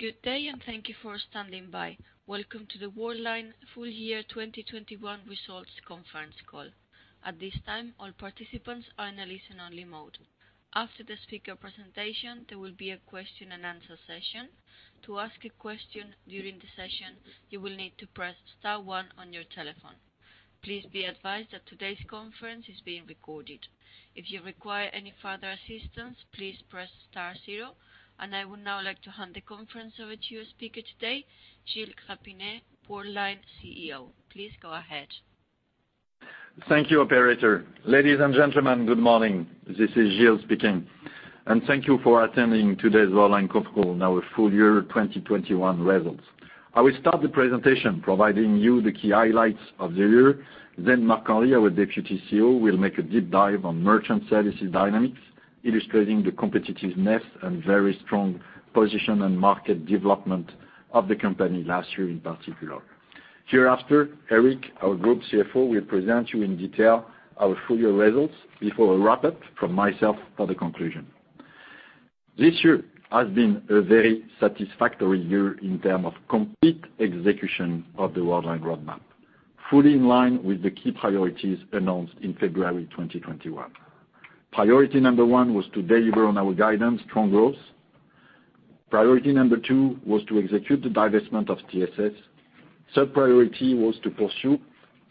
Good day and thank you for standing by. Welcome to the Worldline Full Year 2021 Results Conference Call. At this time, all participants are in a listen-only mode. After the speaker presentation, there will be a question and answer session. To ask a question during the session, you will need to press star one on your telephone. Please be advised that today's conference is being recorded. If you require any further assistance, please press star zero. I would now like to hand the conference over to your speaker today, Gilles Grapinet, Worldline CEO. Please go ahead. Thank you, operator. Ladies and gentlemen, good morning. This is Gilles speaking. Thank you for attending today's Worldline conference call on our full year 2021 results. I will start the presentation providing you the key highlights of the year. Marc-Henri, our Deputy CEO, will make a deep dive on merchant services dynamics, illustrating the competitiveness and very strong position and market development of the company last year in particular. Hereafter, Eric, our Group CFO, will present you in detail our full year results before a wrap up from myself for the conclusion. This year has been a very satisfactory year in terms of complete execution of the Worldline roadmap, fully in line with the key priorities announced in February 2021. Priority number one was to deliver on our guidance, strong growth. Priority number two was to execute the divestment of TSS. Third priority was to pursue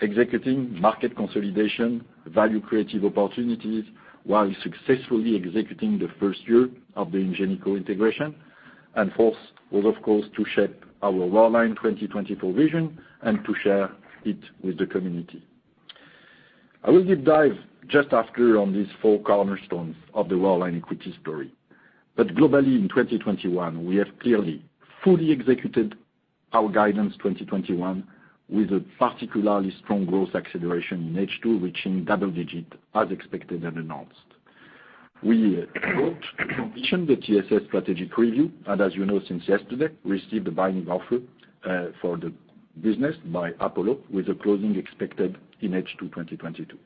executing market consolidation, value-creating opportunities, while successfully executing the first year of the Ingenico integration. Fourth was, of course, to shape our Worldline 2024 vision and to share it with the community. I will deep dive just after on these four cornerstones of the Worldline equity story. Globally in 2021, we have clearly fully executed our guidance 2021 with a particularly strong growth acceleration in H2, reaching double-digit as expected and announced. We completed the TSS strategic review, and as you know since yesterday, received a binding offer for the business by Apollo with a closing expected in H2 2022.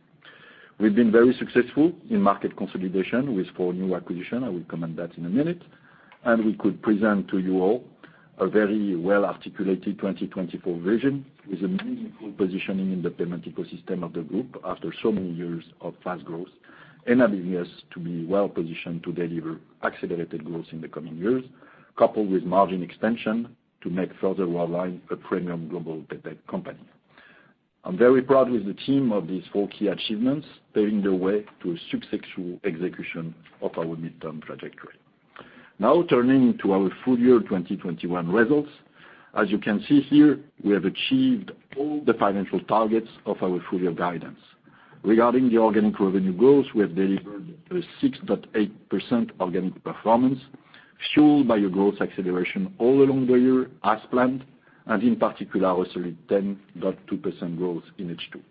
We've been very successful in market consolidation with 4 new acquisitions. I will comment that in a minute. We could present to you all a very well-articulated 2024 vision with a meaningful positioning in the payment ecosystem of the group after so many years of fast growth, enabling us to be well positioned to deliver accelerated growth in the coming years, coupled with margin extension to further make Worldline a premium global paytech company. I'm very proud with the team of these four key achievements, paving the way to a successful execution of our midterm trajectory. Now turning to our full year 2021 results. As you can see here, we have achieved all the financial targets of our full year guidance. Regarding the organic revenue goals, we have delivered a 6.8% organic performance, fueled by a growth acceleration all along the year as planned, and in particular, also 10.2% growth in H2.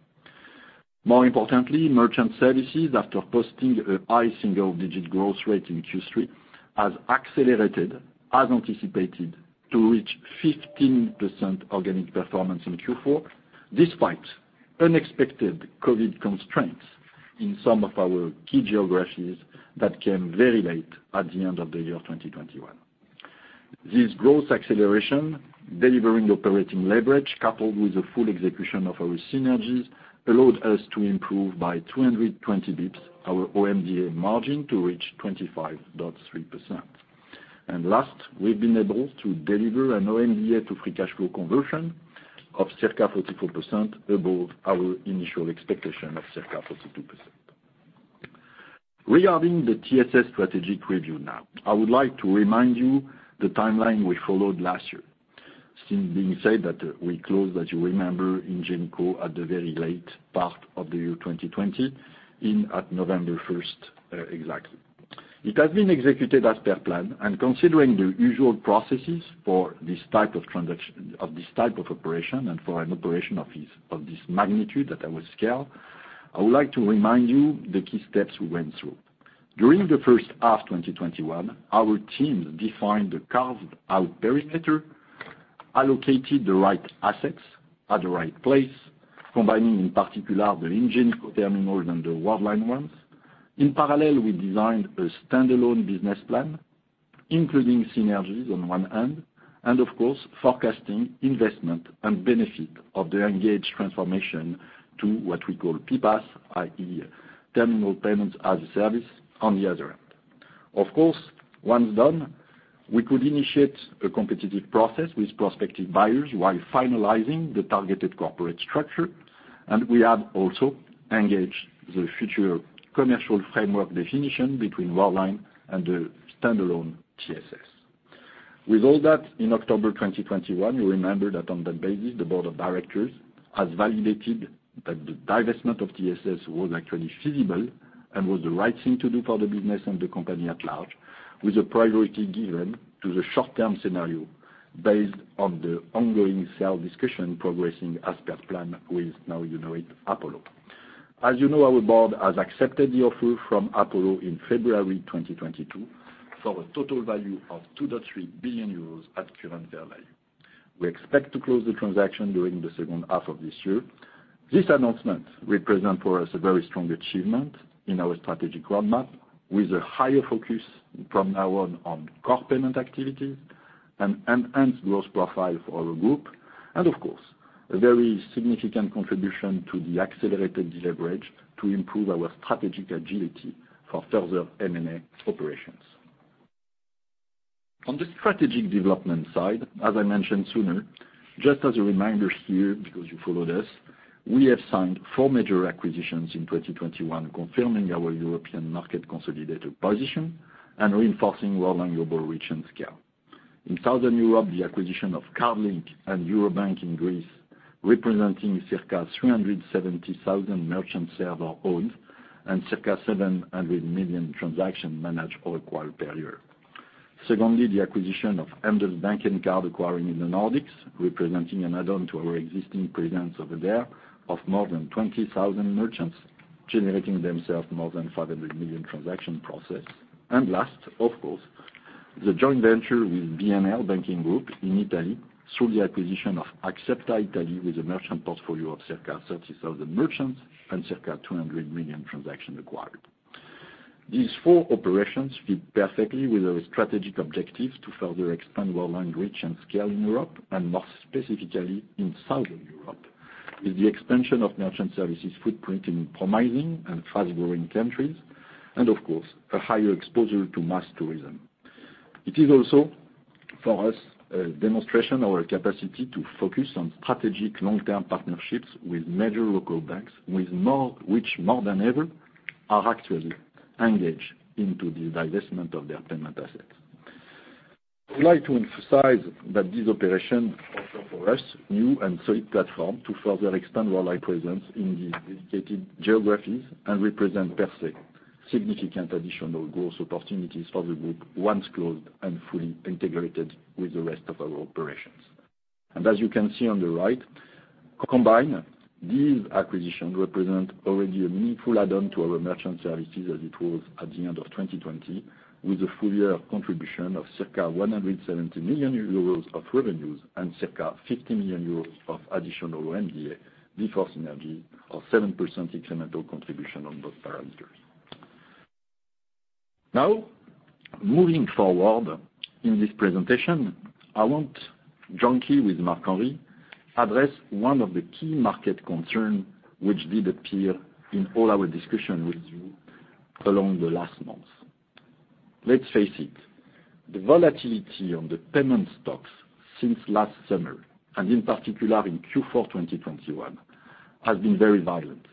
More importantly, Merchant Services, after posting a high single digit growth rate in Q3, has accelerated as anticipated to reach 15% organic performance in Q4, despite unexpected COVID constraints in some of our key geographies that came very late at the end of the year 2021. This growth acceleration, delivering operating leverage coupled with the full execution of our synergies, allowed us to improve by 220 basis points our OMDA margin to reach 25.3%. Last, we've been able to deliver an OMDA to free cash flow conversion of circa 44% above our initial expectation of circa 42%. Regarding the TSS strategic review now, I would like to remind you the timeline we followed last year. As I said that we closed, as you remember, Ingenico at the very late part of the year 2020, at November 1st, exactly. It has been executed as per plan, and considering the usual processes for this type of transaction and for an operation of this magnitude that I will detail, I would like to remind you the key steps we went through. During the first half 2021, our team defined the carved out perimeter, allocated the right assets at the right place, combining in particular the Ingenico terminals and the Worldline ones. In parallel, we designed a standalone business plan, including synergies on one hand, and of course forecasting investment and benefit of the engaged transformation to what we call PPaaS, i.e., Payments Platform as a Service, on the other hand. Of course, once done, we could initiate a competitive process with prospective buyers while finalizing the targeted corporate structure, and we have also engaged the future commercial framework definition between Worldline and the standalone TSS. With all that in October 2021, you remember that on that basis, the board of directors has validated that the divestment of TSS was actually feasible and was the right thing to do for the business and the company at large, with a priority given to the short-term scenario based on the ongoing sale discussion progressing as per plan with, now you know it, Apollo. As you know, our board has accepted the offer from Apollo in February 2022 for a total value of 2.3 billion euros at current fair value. We expect to close the transaction during the second half of this year. This announcement represent for us a very strong achievement in our strategic roadmap with a higher focus from now on on core payment activity and enhanced growth profile for our group. Of course, a very significant contribution to the accelerated deleverage to improve our strategic agility for further M&A operations. On the strategic development side, as I mentioned sooner, just as a reminder here, because you followed us, we have signed four major acquisitions in 2021, confirming our European market consolidated position and reinforcing Worldline global reach and scale. In Southern Europe, the acquisition of Cardlink and Eurobank in Greece, representing circa 370,000 merchants served, and circa 700 million transactions managed or acquired per year. Secondly, the acquisition of Handelsbanken and card acquiring in the Nordics, representing an add-on to our existing presence over there of more than 20,000 merchants, generating themselves more than 500 million transactions processed. Last, of course, the joint venture with BNL banking group in Italy through the acquisition of Axepta Italy with a merchant portfolio of circa 30,000 merchants and circa 200 million transactions acquired. These four operations fit perfectly with our strategic objectives to further expand Worldline reach and scale in Europe, and more specifically in Southern Europe, with the expansion of Merchant Services footprint in promising and fast-growing countries, and of course, a higher exposure to mass tourism. It is also, for us, a demonstration of our capacity to focus on strategic long-term partnerships with major local banks which more than ever are actually engaged into the divestment of their payment assets. I would like to emphasize that this operation offer for us new and solid platform to further expand Worldline presence in these dedicated geographies and represent per se significant additional growth opportunities for the group once closed and fully integrated with the rest of our operations. As you can see on the right, combined, these acquisitions represent already a meaningful add-on to our Merchant Services as it was at the end of 2020, with a full year of contribution of circa 170 million euros of revenues and circa 50 million euros of additional OMDA before synergy of 7% incremental contribution on both parameters. Now, moving forward in this presentation, I want, jointly with Marc-Henri, to address one of the key market concerns which did appear in all our discussions with you over the last months. Let's face it, the volatility on the payment stocks since last summer, and in particular in Q4 2021, has been very violent.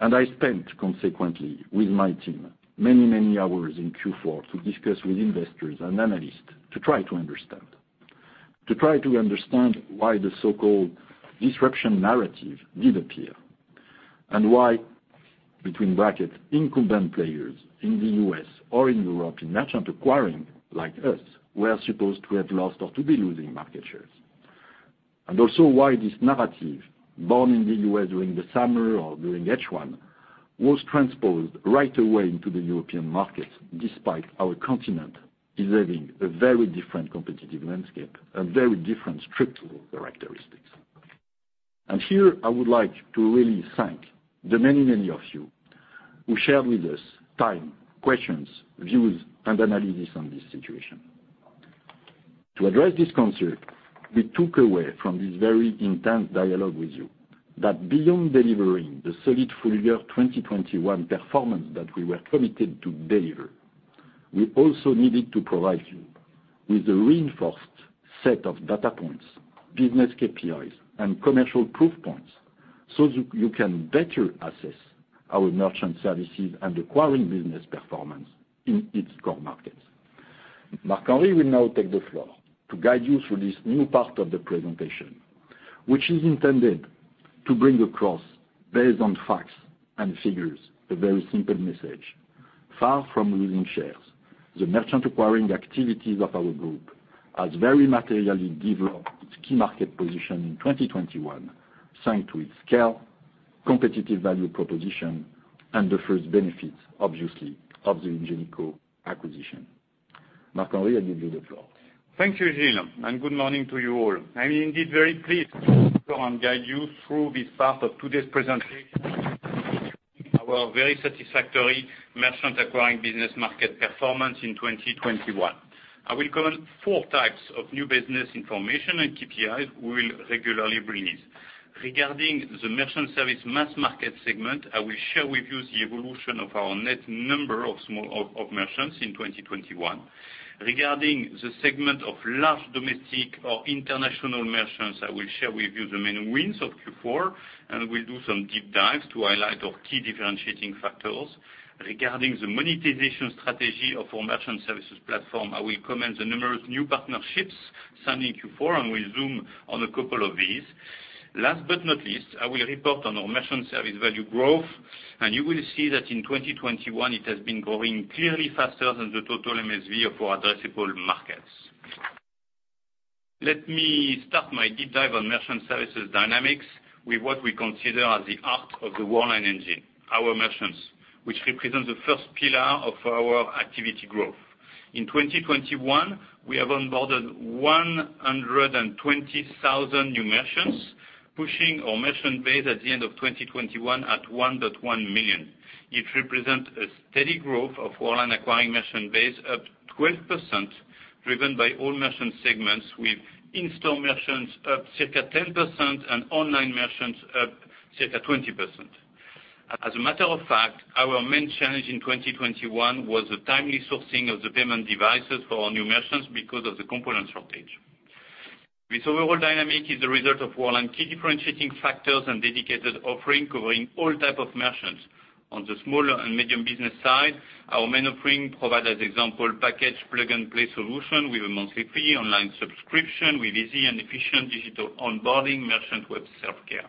I spent consequently with my team many, many hours in Q4 to discuss with investors and analysts to try to understand why the so-called disruption narrative did appear, and why, between brackets, incumbent players in the U.S. or in Europe in merchant acquiring like us were supposed to have lost or to be losing market shares. Also why this narrative, born in the U.S. during the summer or during H1, was transposed right away into the European market despite our continent is having a very different competitive landscape and very different structural characteristics? Here, I would like to really thank the many, many of you who shared with us time, questions, views, and analysis on this situation. To address this concern, we took away from this very intense dialogue with you that beyond delivering the solid full year 2021 performance that we were committed to deliver, we also needed to provide you with a reinforced set of data points, business KPIs, and commercial proof points so you can better assess our Merchant Services and acquiring business performance in its core markets. Marc-Henri will now take the floor to guide you through this new part of the presentation, which is intended to bring across, based on facts and figures, a very simple message. Far from losing shares, the merchant acquiring activities of our group has very materially developed its key market position in 2021, thanks to its scale, competitive value proposition, and the first benefits, obviously, of the Ingenico acquisition. Marc-Henri, I give you the floor. Thank you, Gilles, and good morning to you all. I'm indeed very pleased to come and guide you through this part of today's presentation, our very satisfactory merchant acquiring business market performance in 2021. I will cover four types of new business information and KPIs we will regularly bring in. Regarding the Merchant Services mass market segment, I will share with you the evolution of our net number of small merchants in 2021. Regarding the segment of large domestic or international merchants, I will share with you the main wins of Q4, and we'll do some deep dives to highlight our key differentiating factors. Regarding the monetization strategy of our Merchant Services platform, I will comment on the numerous new partnerships signed in Q4, and we'll zoom on a couple of these. Last but not least, I will report on our Merchant Sales Volume growth, and you will see that in 2021 it has been growing clearly faster than the total MSV of our addressable markets. Let me start my deep dive on Merchant Services dynamics with what we consider as the heart of the Worldline engine, our merchants, which represents the first pillar of our activity growth. In 2021, we have onboarded 120,000 new merchants, pushing our merchant base at the end of 2021 at 1.1 million. It represents a steady growth of Worldline acquiring merchant base up 12%, driven by all merchant segments, with in-store merchants up circa 10% and online merchants up circa 20%. As a matter of fact, our main challenge in 2021 was the timely sourcing of the payment devices for our new merchants because of the component shortage. This overall dynamic is the result of Worldline key differentiating factors and dedicated offering covering all type of merchants. On the small and medium business side, our main offering provide, as example, package plug-and-play solution with a monthly fee online subscription with easy and efficient digital onboarding merchant web self-care.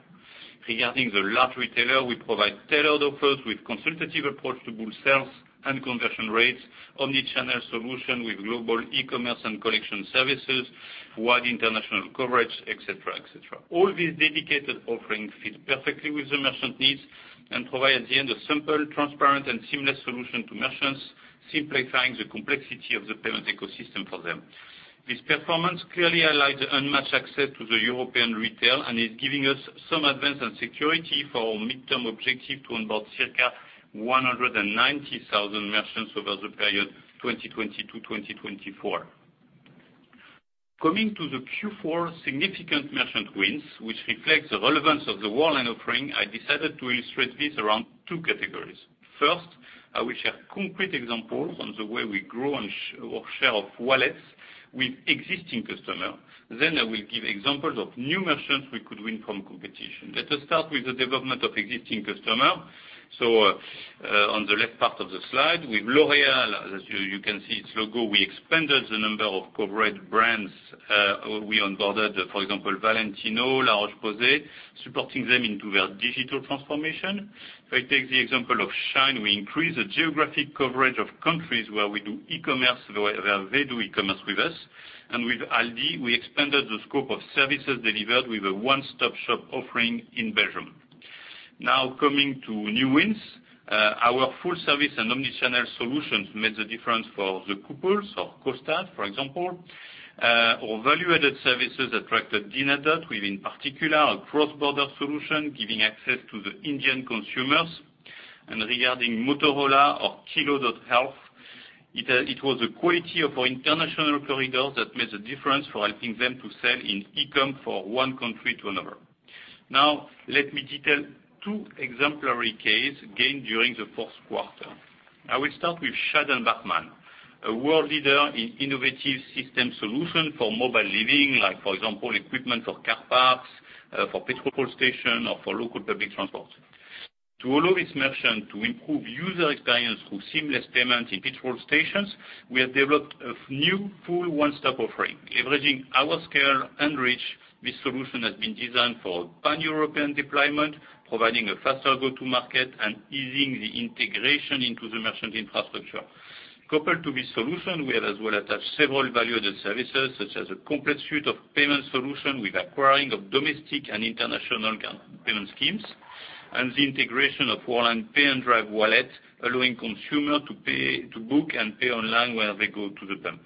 Regarding the large retailer, we provide tailored offers with consultative approach to boost sales and conversion rates, omni-channel solution with global e-commerce and collection services, wide international coverage, et cetera, et cetera. All these dedicated offering fit perfectly with the merchant needs and provide at the end a simple, transparent, and seamless solution to merchants, simplifying the complexity of the payment ecosystem for them. This performance clearly highlight the unmatched access to the European retail and is giving us some advance and security for our midterm objective to onboard circa 190,000 merchants over the period 2020-2024. Coming to the Q4 significant merchant wins, which reflects the relevance of the Worldline offering, I decided to illustrate this around two categories. First, I will share concrete examples on the way we grow and our share of wallets with existing customer. Then I will give examples of new merchants we could win from competition. Let us start with the development of existing customer. On the left part of the slide, with L'Oréal, as you can see its logo, we expanded the number of coverage brands, we onboarded, for example, Valentino, La Roche-Posay, supporting them into their digital transformation. If I take the example of Shine, we increased the geographic coverage of countries where we do e-commerce, where they do e-commerce with us. With Aldi, we expanded the scope of services delivered with a one-stop shop offering in Belgium. Now coming to new wins, our full service and omni-channel solutions made the difference for Costa Coffee, for example. Our value-added services attracted Diners Club, with in particular, our cross-border solution giving access to the Indian consumers. Regarding Motorola or Kilo Health, it was the quality of our international corridors that made the difference for helping them to sell in e-com from one country to another. Now let me detail two exemplary cases gained during the fourth quarter. I will start with Scheidt & Bachmann, a world leader in innovative system solutions for mobile living, like for example, equipment for car parks, for petrol stations, or for local public transport. To allow this merchant to improve user experience through seamless payment in petrol stations, we have developed a new full one-stop offering. Leveraging our scale and reach, this solution has been designed for pan-European deployment, providing a faster go-to-market and easing the integration into the merchant infrastructure. Coupled to this solution, we have as well attached several value-added services, such as a complete suite of payment solutions with acquiring of domestic and international country payment schemes, and the integration of Worldline Pay & Drive wallet, allowing consumers to book and pay online when they go to the pump.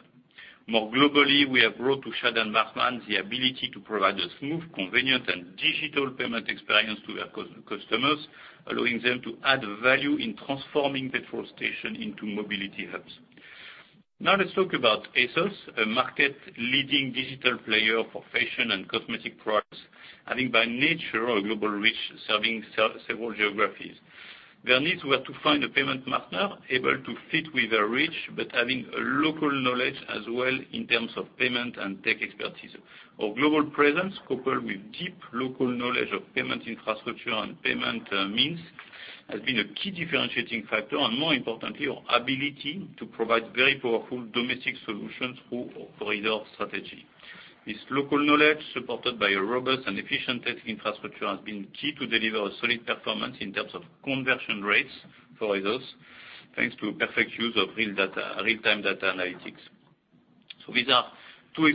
More globally, we have brought to Scheidt & Bachmann the ability to provide a smooth, convenient, and digital payment experience to their customers, allowing them to add value in transforming petrol station into mobility hubs. Now let's talk about ASOS, a market-leading digital player for fashion and cosmetic products, having by nature a global reach serving several geographies. Their needs were to find a payment partner able to fit with their reach, but having a local knowledge as well in terms of payment and tech expertise. Our global presence, coupled with deep local knowledge of payment infrastructure and payment means, has been a key differentiating factor, and more importantly, our ability to provide very powerful domestic solutions through our corridor strategy. This local knowledge, supported by a robust and efficient tech infrastructure, has been key to deliver a solid performance in terms of conversion rates for ASOS, thanks to perfect use of real data, real-time data analytics. These two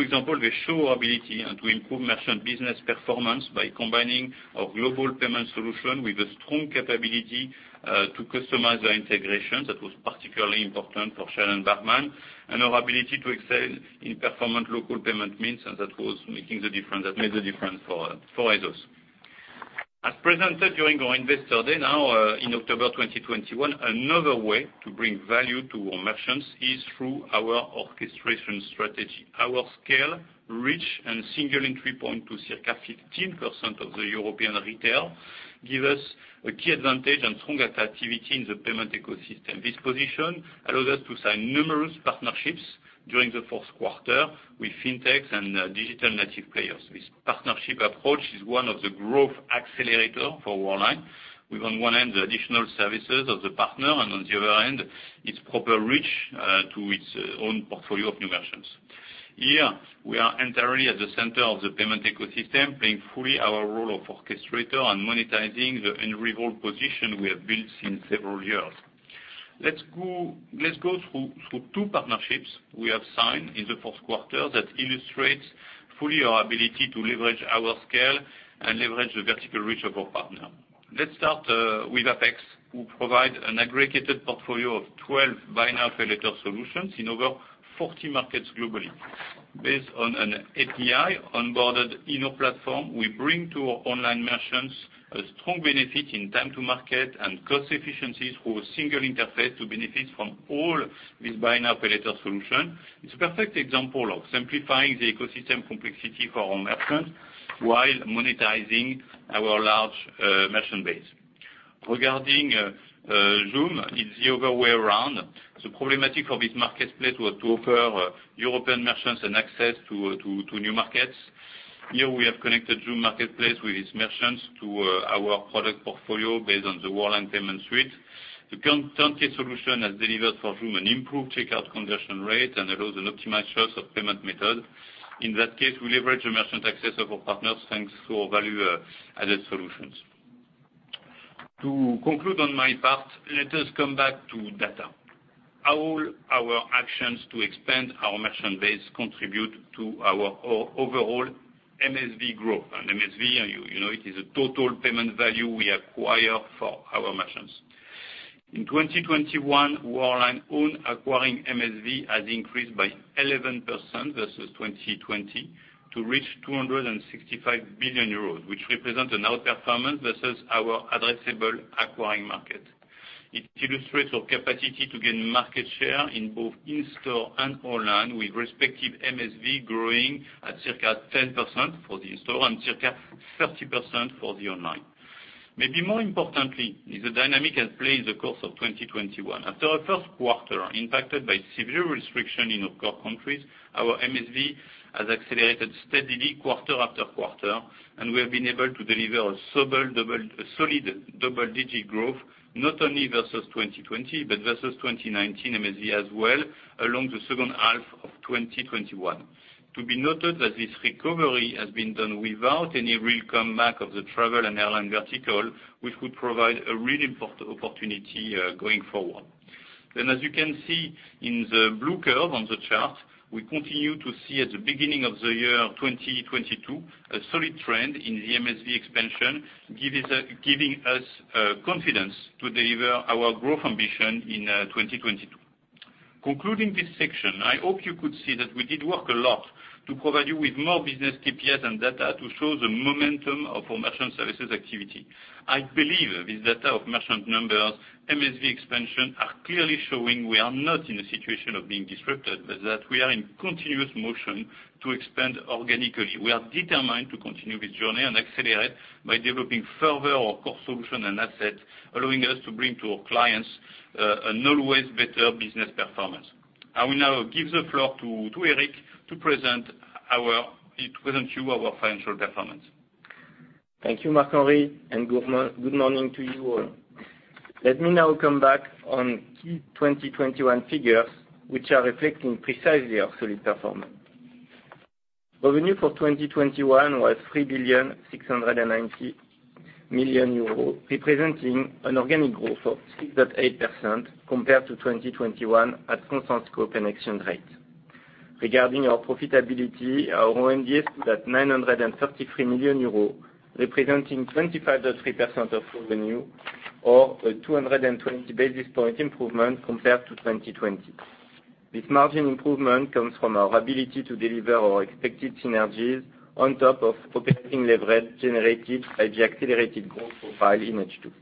examples show our ability to improve merchant business performance by combining our global payment solution with a strong capability to customize our integration. That was particularly important for Scheidt & Bachmann, and our ability to excel in performant local payment means, and that made the difference for ASOS. As presented during our Investor Day in October 2021, another way to bring value to our merchants is through our orchestration strategy. Our scale, reach, and single entry point to circa 15% of the European retail give us a key advantage and strong attractivity in the payment ecosystem. This position allows us to sign numerous partnerships during the fourth quarter with fintechs and digital native players. This partnership approach is one of the growth accelerator for Worldline. With on one end, the additional services of the partner, and on the other end, its proper reach to its own portfolio of new merchants. Here, we are entirely at the center of the payment ecosystem, playing fully our role of orchestrator and monetizing the unrivaled position we have built since several years. Let's go through two partnerships we have signed in the fourth quarter that illustrates fully our ability to leverage our scale and leverage the vertical reach of our partner. Let's start with APEXX, who provide an aggregated portfolio of 12 Buy Now Pay Later solutions in over 40 markets globally. Based on an API onboarded in our platform, we bring to our online merchants a strong benefit in time to market and cost efficiencies through a single interface to benefit from all this Buy Now Pay Later solution. It's a perfect example of simplifying the ecosystem complexity for our merchants while monetizing our large merchant base. Regarding Joom, it's the other way around. The problem of this marketplace was to offer European merchants access to new markets. Here we have connected Joom marketplace with its merchants to our product portfolio based on the Worldline Payment Suite. The turnkey solution has delivered for Joom an improved checkout conversion rate and allows an optimized choice of payment method. In that case, we leverage the merchant access of our partners thanks to our value added solutions. To conclude on my part, let us come back to data, how our actions to expand our merchant base contribute to our overall MSV growth. MSV, you know, it is a total payment value we acquire for our merchants. In 2021, Worldline own acquiring MSV has increased by 11% versus 2020 to reach 265 billion euros, which represents an outperformance versus our addressable acquiring market. It illustrates our capacity to gain market share in both in-store and online, with respective MSV growing at circa 10% for the store and circa 30% for the online. Maybe more importantly is the dynamic at play in the course of 2021. After our first quarter, impacted by severe restriction in our core countries, our MSV has accelerated steadily quarter after quarter, and we have been able to deliver a solid double-digit growth, not only versus 2020, but versus 2019 MSV as well, along the second half of 2021. To be noted that this recovery has been done without any real comeback of the travel and airline vertical, which would provide a really important opportunity going forward. As you can see in the blue curve on the chart, we continue to see at the beginning of the year 2022 a solid trend in the MSV expansion, giving us confidence to deliver our growth ambition in 2022. Concluding this section, I hope you could see that we did work a lot to provide you with more business KPIs and data to show the momentum of our Merchant Services activity. I believe this data of merchant numbers, MSV expansion, are clearly showing we are not in a situation of being disrupted, but that we are in continuous motion to expand organically. We are determined to continue this journey and accelerate by developing further our core solution and assets, allowing us to bring to our clients an always better business performance. I will now give the floor to Eric to present you our financial performance. Thank you, Marc-Henri, and good morning to you all. Let me now come back on key 2021 figures, which are reflecting precisely our solid performance. Revenue for 2021 was 3.69 billion euros, representing an organic growth of 6.8% compared to 2020 at constant scope and exchange rate. Regarding our profitability, our OMDA is at 933 million euros, representing 25.3% of revenue, or a 220 basis points improvement compared to 2020. This margin improvement comes from our ability to deliver our expected synergies on top of operating leverage generated by the accelerated growth profile in H2.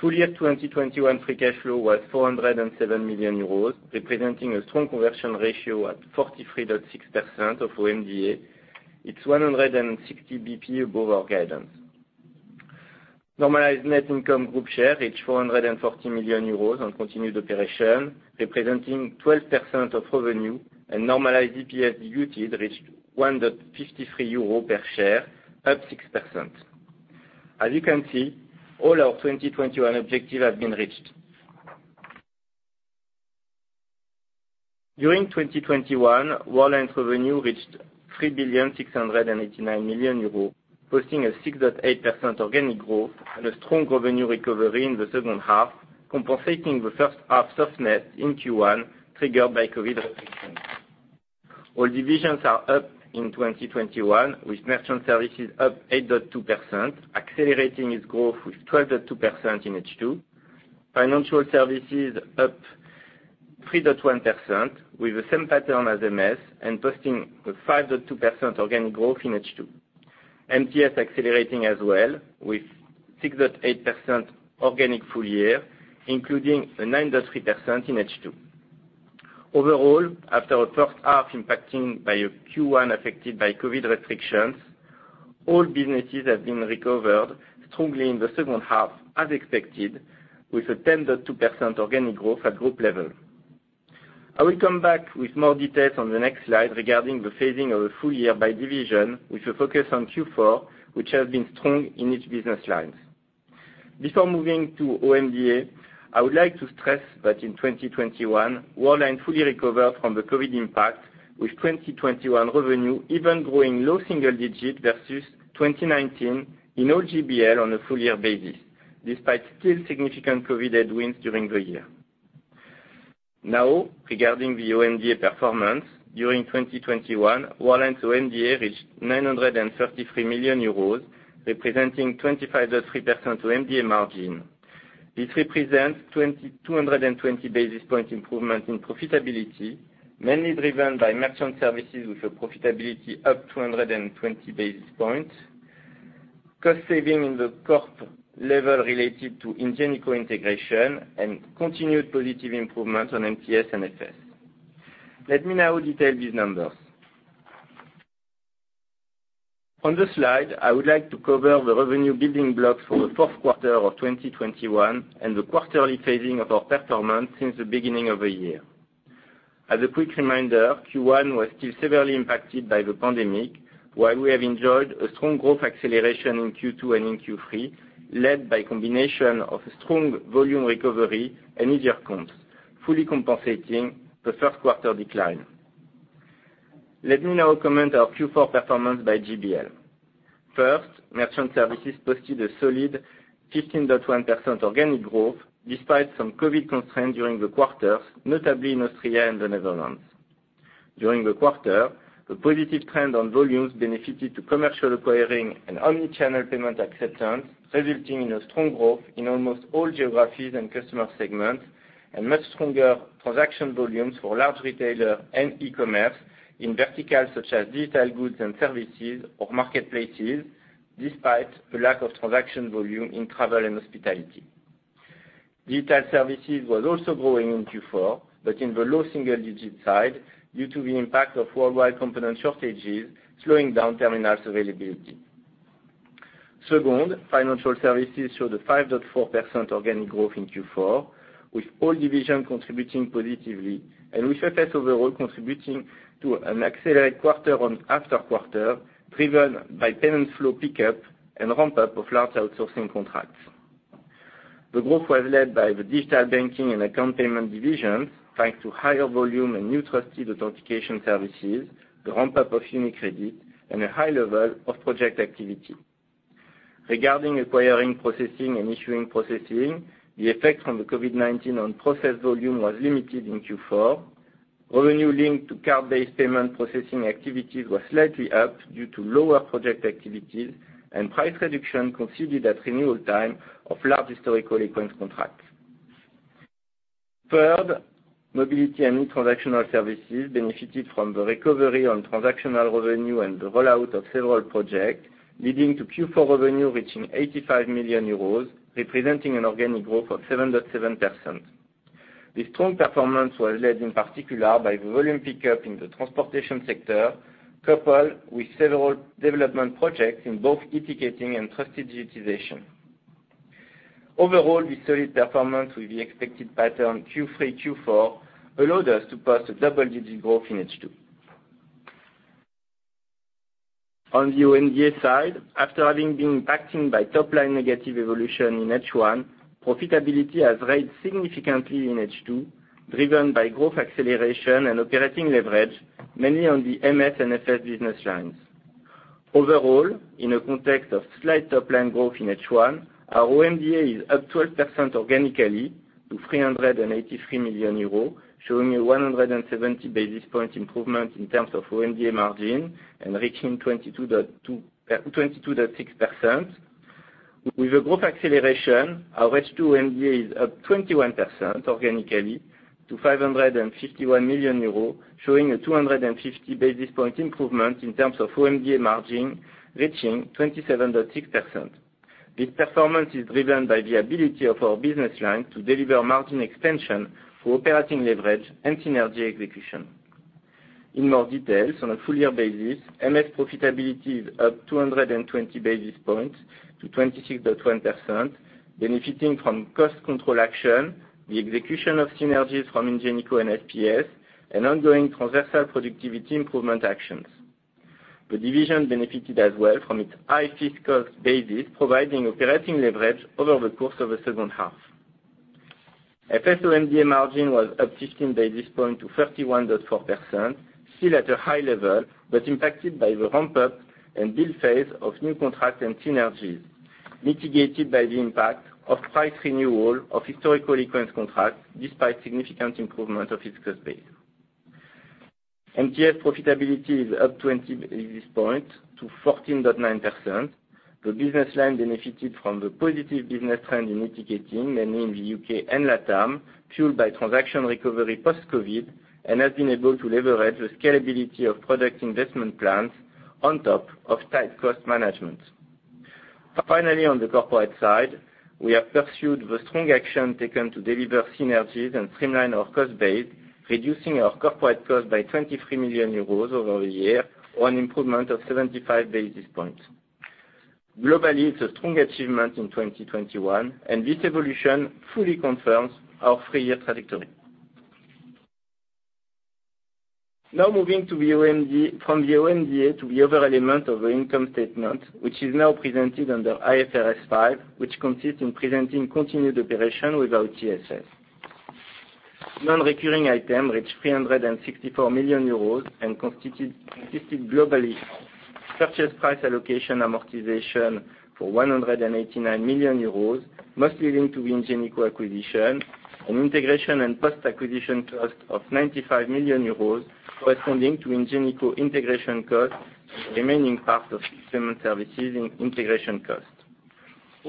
Full-year 2021 free cash flow was 407 million euros, representing a strong conversion ratio at 43.6% of OMDA. It's 160 basis points above our guidance. Normalized net income group share reached 440 million euros on continued operation, representing 12% of revenue, and normalized EPS diluted reached 1.53 euros per share, up 6%. As you can see, all our 2021 objectives have been reached. During 2021, Worldline's revenue reached 3,689 million euros, posting a 6.8% organic growth and a strong revenue recovery in the second half, compensating the first half softness in Q1 triggered by COVID restrictions. All divisions are up in 2021, with Merchant Services up 8.2%, accelerating its growth with 12.2% in H2. Financial Services up 3.1% with the same pattern as MS and posting a 5.2% organic growth in H2. MTS accelerating as well with 6.8% organic full year, including a 9.3% in H2. Overall, after a first half impacting by a Q1 affected by COVID restrictions, all businesses have been recovered strongly in the second half as expected, with a 10.2% organic growth at group level. I will come back with more details on the next slide regarding the phasing of the full year by division, with a focus on Q4, which has been strong in each business lines. Before moving to OMDA, I would like to stress that in 2021, Worldline fully recovered from the COVID impact, with 2021 revenue even growing low single-digit versus 2019 in all GBL on a full-year basis, despite still significant COVID headwinds during the year. Now, regarding the OMDA performance, during 2021, Worldline's OMDA reached 933 million euros, representing 25.3% OMDA margin. This represents 220 basis points improvement in profitability, mainly driven by Merchant Services, with a profitability up 220 basis points, cost saving in the corporate level related to Ingenico integration, and continued positive improvement on MTS and FS. Let me now detail these numbers. On the slide, I would like to cover the revenue building blocks for the fourth quarter of 2021, and the quarterly phasing of our performance since the beginning of the year. As a quick reminder, Q1 was still severely impacted by the pandemic, while we have enjoyed a strong growth acceleration in Q2 and in Q3, led by combination of a strong volume recovery and easier comps, fully compensating the first quarter decline. Let me now comment on our Q4 performance by GBL. First, Merchant Services posted a solid 15.1% organic growth despite some COVID constraints during the quarters, notably in Austria and the Netherlands. During the quarter, the positive trend on volumes benefited to commercial acquiring and omni-channel payment acceptance, resulting in a strong growth in almost all geographies and customer segments, and much stronger transaction volumes for large retailer and e-commerce in verticals such as digital goods and services or marketplaces, despite the lack of transaction volume in travel and hospitality. Digital Services was also growing in Q4, but in the low single digit side due to the impact of worldwide component shortages slowing down terminals availability. Second, Financial Services showed a 5.4% organic growth in Q4, with all divisions contributing positively and with FS overall contributing to an accelerated quarter-over-quarter, driven by payment flow pickup and ramp-up of large outsourcing contracts. The growth was led by the digital banking and account payment divisions, thanks to higher volume and new trusted authentication services, the ramp-up of UniCredit, and a high level of project activity. Regarding acquiring processing and issuing processing, the effect from the COVID-19 on process volume was limited in Q4. Revenue linked to card-based payment processing activities was slightly up due to lower project activities and price reduction considered at renewal time of large historical Equens contracts. Third, Mobility & e-Transactional Services benefited from the recovery on transactional revenue and the rollout of several projects, leading to Q4 revenue reaching 85 million euros, representing an organic growth of 7.7%. This strong performance was led in particular by the volume pickup in the transportation sector, coupled with several development projects in both e-ticketing and trusted digitization. Overall, this solid performance with the expected pattern Q3, Q4 allowed us to post a double-digit growth in H2. On the OMDA side, after having been impacted by top line negative evolution in H1, profitability has raised significantly in H2, driven by growth acceleration and operating leverage, mainly on the MS and FS business lines. Overall, in a context of slight top line growth in H1, our OMDA is up 12% organically to 383 million euros, showing a 170 basis points improvement in terms of OMDA margin and reaching 22.6%. With a growth acceleration, our H2 OMDA is up 21% organically to 551 million euros, showing a 250 basis points improvement in terms of OMDA margin reaching 27.6%. This performance is driven by the ability of our business line to deliver margin expansion through operating leverage and synergy execution. In more details, on a full year basis, MS profitability is up 220 basis points to 26.1%, benefiting from cost control action, the execution of synergies from Ingenico and SPS, and ongoing transversal productivity improvement actions. The division benefited as well from its high fixed cost basis, providing operating leverage over the course of the second half. FS OMDA margin was up 15 basis points to 31.4%, still at a high level, but impacted by the ramp-up and build phase of new contracts and synergies, mitigated by the impact of price renewal of historical Equens contracts despite significant improvement of fixed cost base. MTS profitability is up 20 basis points to 14.9%. The business line benefited from the positive business trend in e-ticketing, mainly in the U.K. and LATAM, fueled by transaction recovery post-COVID, and has been able to leverage the scalability of product investment plans on top of tight cost management. Finally, on the corporate side, we have pursued the strong action taken to deliver synergies and streamline our cost base, reducing our corporate cost by 23 million euros over the year or an improvement of 75 basis points. Globally, it's a strong achievement in 2021, and this evolution fully confirms our three-year trajectory. Now moving from the OMDA to the other element of the income statement, which is now presented under IFRS 5, which consists in presenting continued operation without TSS. Non-recurring item reached 364 million euros and constituted globally purchase price allocation amortization for 189 million euros, mostly linked to Ingenico acquisition, and integration and post-acquisition cost of 95 million euros corresponding to Ingenico integration cost, remaining part of system and services in integration cost.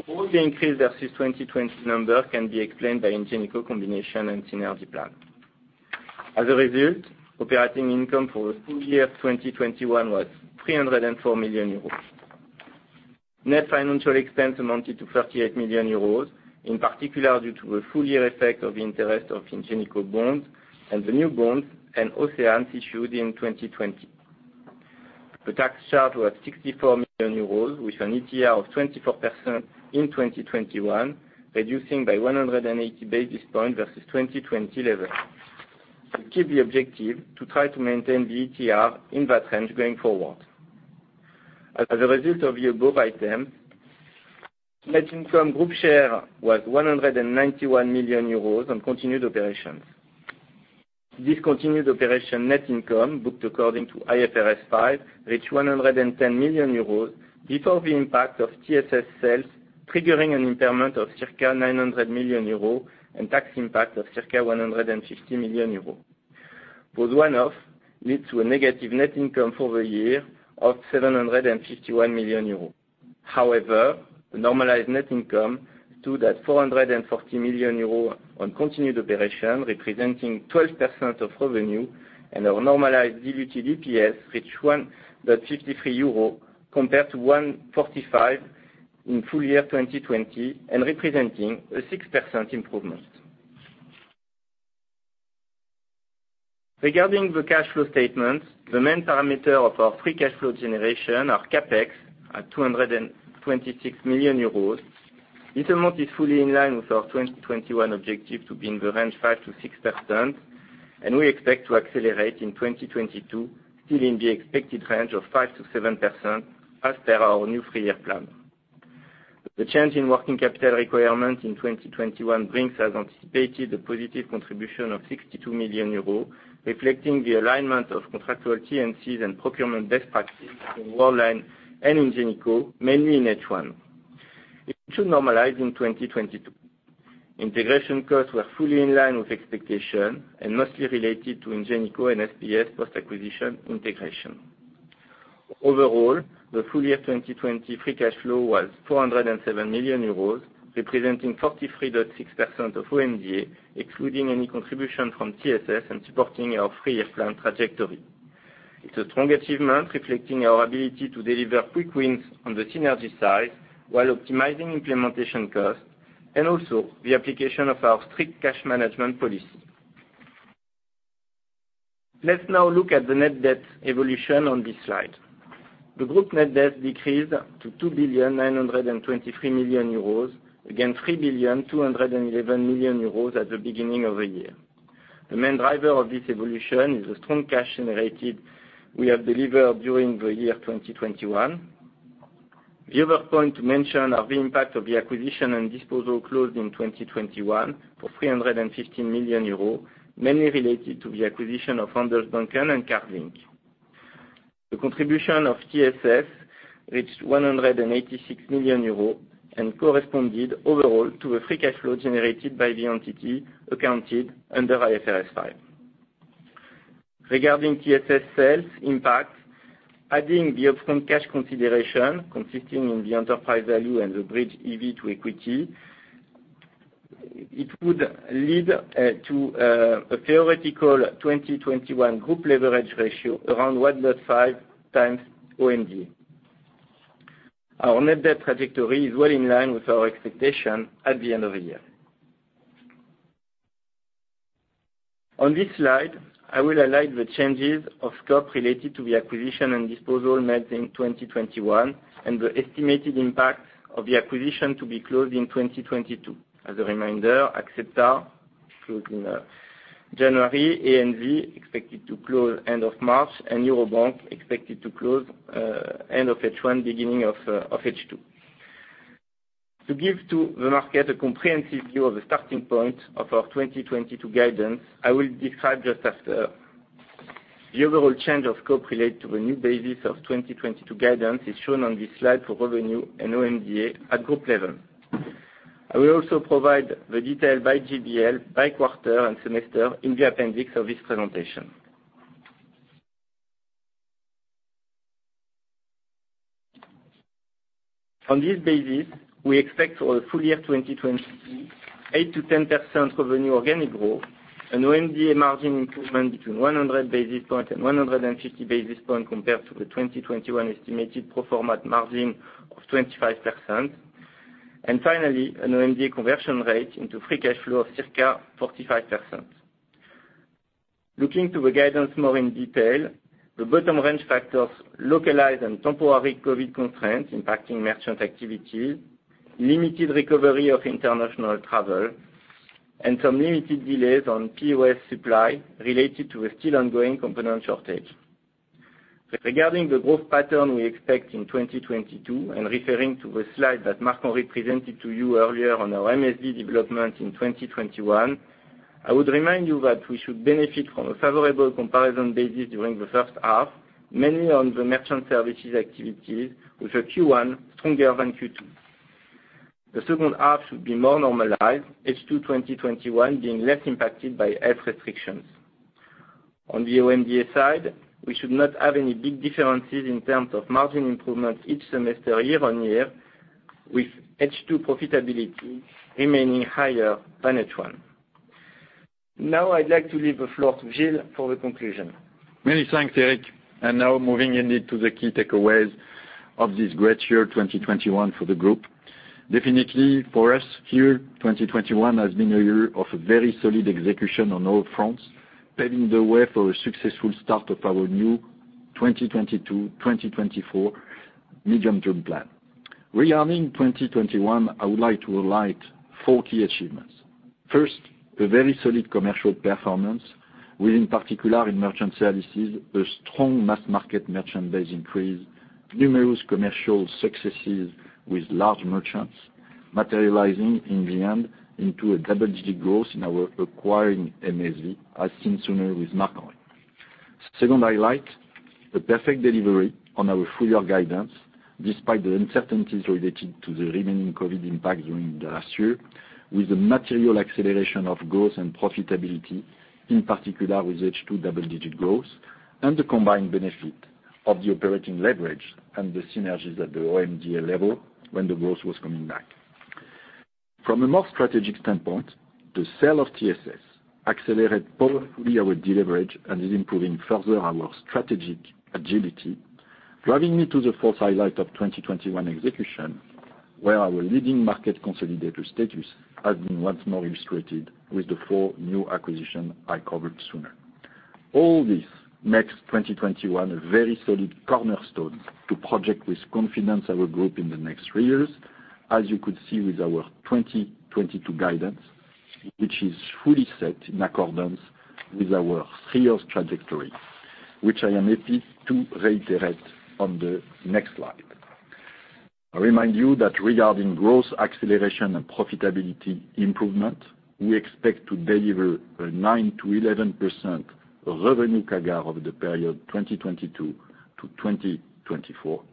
All the increased versus 2020 number can be explained by Ingenico combination and synergy plan. As a result, operating income for the full year 2021 was 304 million euros. Net financial expense amounted to 38 million euros, in particular, due to a full year effect of interest of Ingenico bonds and the new bonds and OCEANEs issued in 2020. The tax charge was 64 million euros, with an ETR of 24% in 2021, reducing by 180 basis points versus 2020 level. We keep the objective to try to maintain the ETR in that range going forward. As a result of the above item, net income group share was 191 million euros on continued operations. Discontinued operation net income, booked according to IFRS 5, reached 110 million euros before the impact of TSS sales triggering an impairment of circa 900 million euros and tax impact of circa 150 million euros. Both one-off lead to a negative net income for the year of 751 million euros. However, the normalized net income stood at 440 million euros on continued operation, representing 12% of revenue, and our normalized diluted EPS reached EUR 153 million compared to 145 million in full year 2020, and representing a 6% improvement. Regarding the cash flow statement, the main parameter of our free cash flow generation, our CapEx, at 226 million euros. This amount is fully in line with our 2021 objective to be in the range 5%-6%, and we expect to accelerate in 2022, still in the expected range of 5%-7% as per our new three-year plan. The change in working capital requirement in 2021 brings an anticipated positive contribution of 62 million euros, reflecting the alignment of contractual T&Cs and procurement best practices in Worldline and Ingenico, mainly in H1. It should normalize in 2022. Integration costs were fully in line with expectation and mostly related to Ingenico and SPS post-acquisition integration. Overall, the full year 2020 free cash flow was 407 million euros, representing 43.6% of OMDA, excluding any contribution from TSS and supporting our three-year plan trajectory. It's a strong achievement reflecting our ability to deliver quick wins on the synergy side while optimizing implementation costs and also the application of our strict cash management policy. Let's now look at the net debt evolution on this slide. The group net debt decreased to 2,923 million euros, against 3,211 million euros at the beginning of the year. The main driver of this evolution is the strong cash generated we have delivered during the year 2021. The other point to mention are the impact of the acquisition and disposal closed in 2021 for 315 million euros, mainly related to the acquisition of Handelsbanken and Cardlink. The contribution of TSS reached 186 million euros and corresponded overall to a free cash flow generated by the entity accounted under IFRS 5. Regarding TSS sales impact, adding the upfront cash consideration consisting of the enterprise value and the bridge EV to equity, it would lead to a theoretical 2021 group leverage ratio around 1.5x times OMDA. Our net debt trajectory is well in line with our expectation at the end of the year. On this slide, I will highlight the changes of scope related to the acquisition and disposal made in 2021, and the estimated impact of the acquisition to be closed in 2022. As a reminder, Axepta closed in January, ANZ expected to close end of March, and Eurobank expected to close end of H1, beginning of H2. To give to the market a comprehensive view of the starting point of our 2022 guidance, I will describe just after. The overall change of scope relate to the new basis of 2022 guidance is shown on this slide for revenue and OMDA at group level. I will also provide the detail by GBL, by quarter and semester in the appendix of this presentation. On this basis, we expect for the full year 2022, 8%-10% revenue organic growth, an OMDA margin improvement between 100 basis points and 150 basis points compared to the 2021 estimated pro forma margin of 25%. Finally, an OMDA conversion rate into free cash flow of circa 45%. Looking to the guidance more in detail, the bottom range factors localized and temporary COVID constraints impacting merchant activity, limited recovery of international travel, and some limited delays on POS supply related to a still ongoing component shortage. Regarding the growth pattern we expect in 2022, and referring to the slide that Marc-Henri presented to you earlier on our MSV development in 2021. I would remind you that we should benefit from a favorable comparison basis during the first half, mainly on the Merchant Services activities with a Q1 stronger than Q2. The second half should be more normalized, H2 2021 being less impacted by health restrictions. On the OMDA side, we should not have any big differences in terms of margin improvement each semester year on year, with H2 profitability remaining higher than H1. Now I'd like to leave the floor to Gilles for the conclusion. Many thanks, Eric. Now moving indeed to the key takeaways of this great year 2021 for the group. Definitely for us, year 2021 has been a year of very solid execution on all fronts, paving the way for a successful start of our new 2022/2024 medium-term plan. Regarding 2021, I would like to highlight four key achievements. First, a very solid commercial performance, with in particular in Merchant Services, a strong mass-market merchant base increase, numerous commercial successes with large merchants materializing in the end into a double-digit growth in our acquiring MSV, as seen sooner with Marc-Henri. Second highlight, the perfect delivery on our full-year guidance, despite the uncertainties related to the remaining COVID impact during the last year, with the material acceleration of growth and profitability, in particular with H2 double-digit growth and the combined benefit of the operating leverage and the synergies at the OMDA level when the growth was coming back. From a more strategic standpoint, the sale of TSS accelerated powerfully our deleverage and is improving further our strategic agility, driving me to the fourth highlight of 2021 execution, where our leading market consolidator status has been once more illustrated with the four new acquisition I covered earlier. All this makes 2021 a very solid cornerstone to project with confidence our group in the next three years, as you could see with our 2022 guidance, which is fully set in accordance with our three years trajectory, which I am happy to reiterate on the next slide. I remind you that regarding growth acceleration and profitability improvement, we expect to deliver a 9%-11% revenue CAGR over the period 2022 to 2024,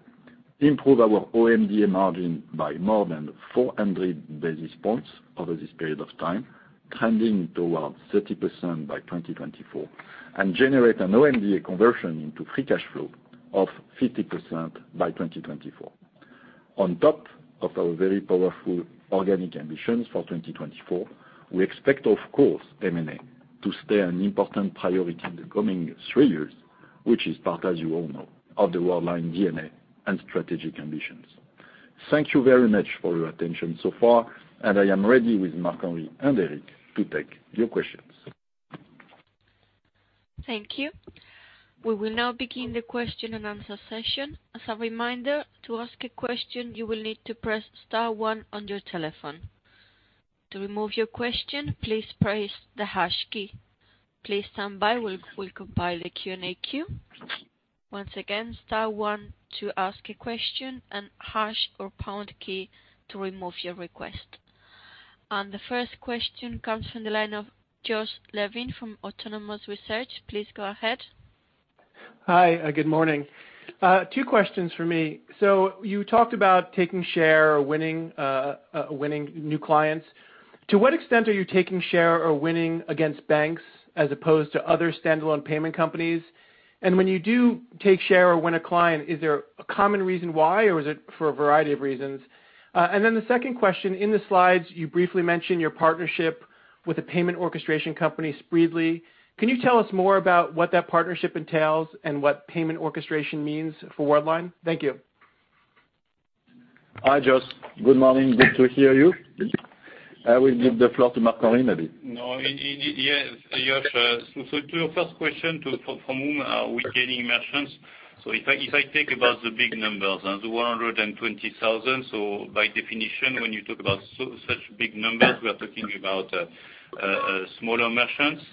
improve our OMDA margin by more than 400 basis points over this period of time, trending towards 30% by 2024, and generate an OMDA conversion into free cash flow of 50% by 2024. On top of our very powerful organic ambitions for 2024, we expect, of course, M&A to stay an important priority in the coming three years, which is part, as you all know, of the Worldline DNA and strategic ambitions. Thank you very much for your attention so far, and I am ready with Marc and Eric to take your questions. Thank you. We will now begin the question-and-answer session. As a reminder, to ask a question, you will need to press star one on your telephone. To remove your question, please press the hash key. Please stand by. We'll compile the Q&A queue. Once again, star one to ask a question, and hash or pound key to remove your request. The first question comes from the line of Josh Levin from Autonomous Research. Please go ahead. Hi. Good morning. Two questions for me. You talked about taking share or winning new clients. To what extent are you taking share or winning against banks as opposed to other standalone payment companies? When you do take share or win a client, is there a common reason why, or is it for a variety of reasons? The second question, in the slides, you briefly mentioned your partnership with the payment orchestration company, Spreedly. Can you tell us more about what that partnership entails and what payment orchestration means for Worldline? Thank you. Hi, Josh. Good morning. Good to hear you. I will give the floor to Marc-Henri, maybe. No, yes, Josh, to your first question, from whom are we gaining merchants? If I think about the big numbers and the 120,000, by definition, when you talk about such big numbers, we are talking about smaller merchants,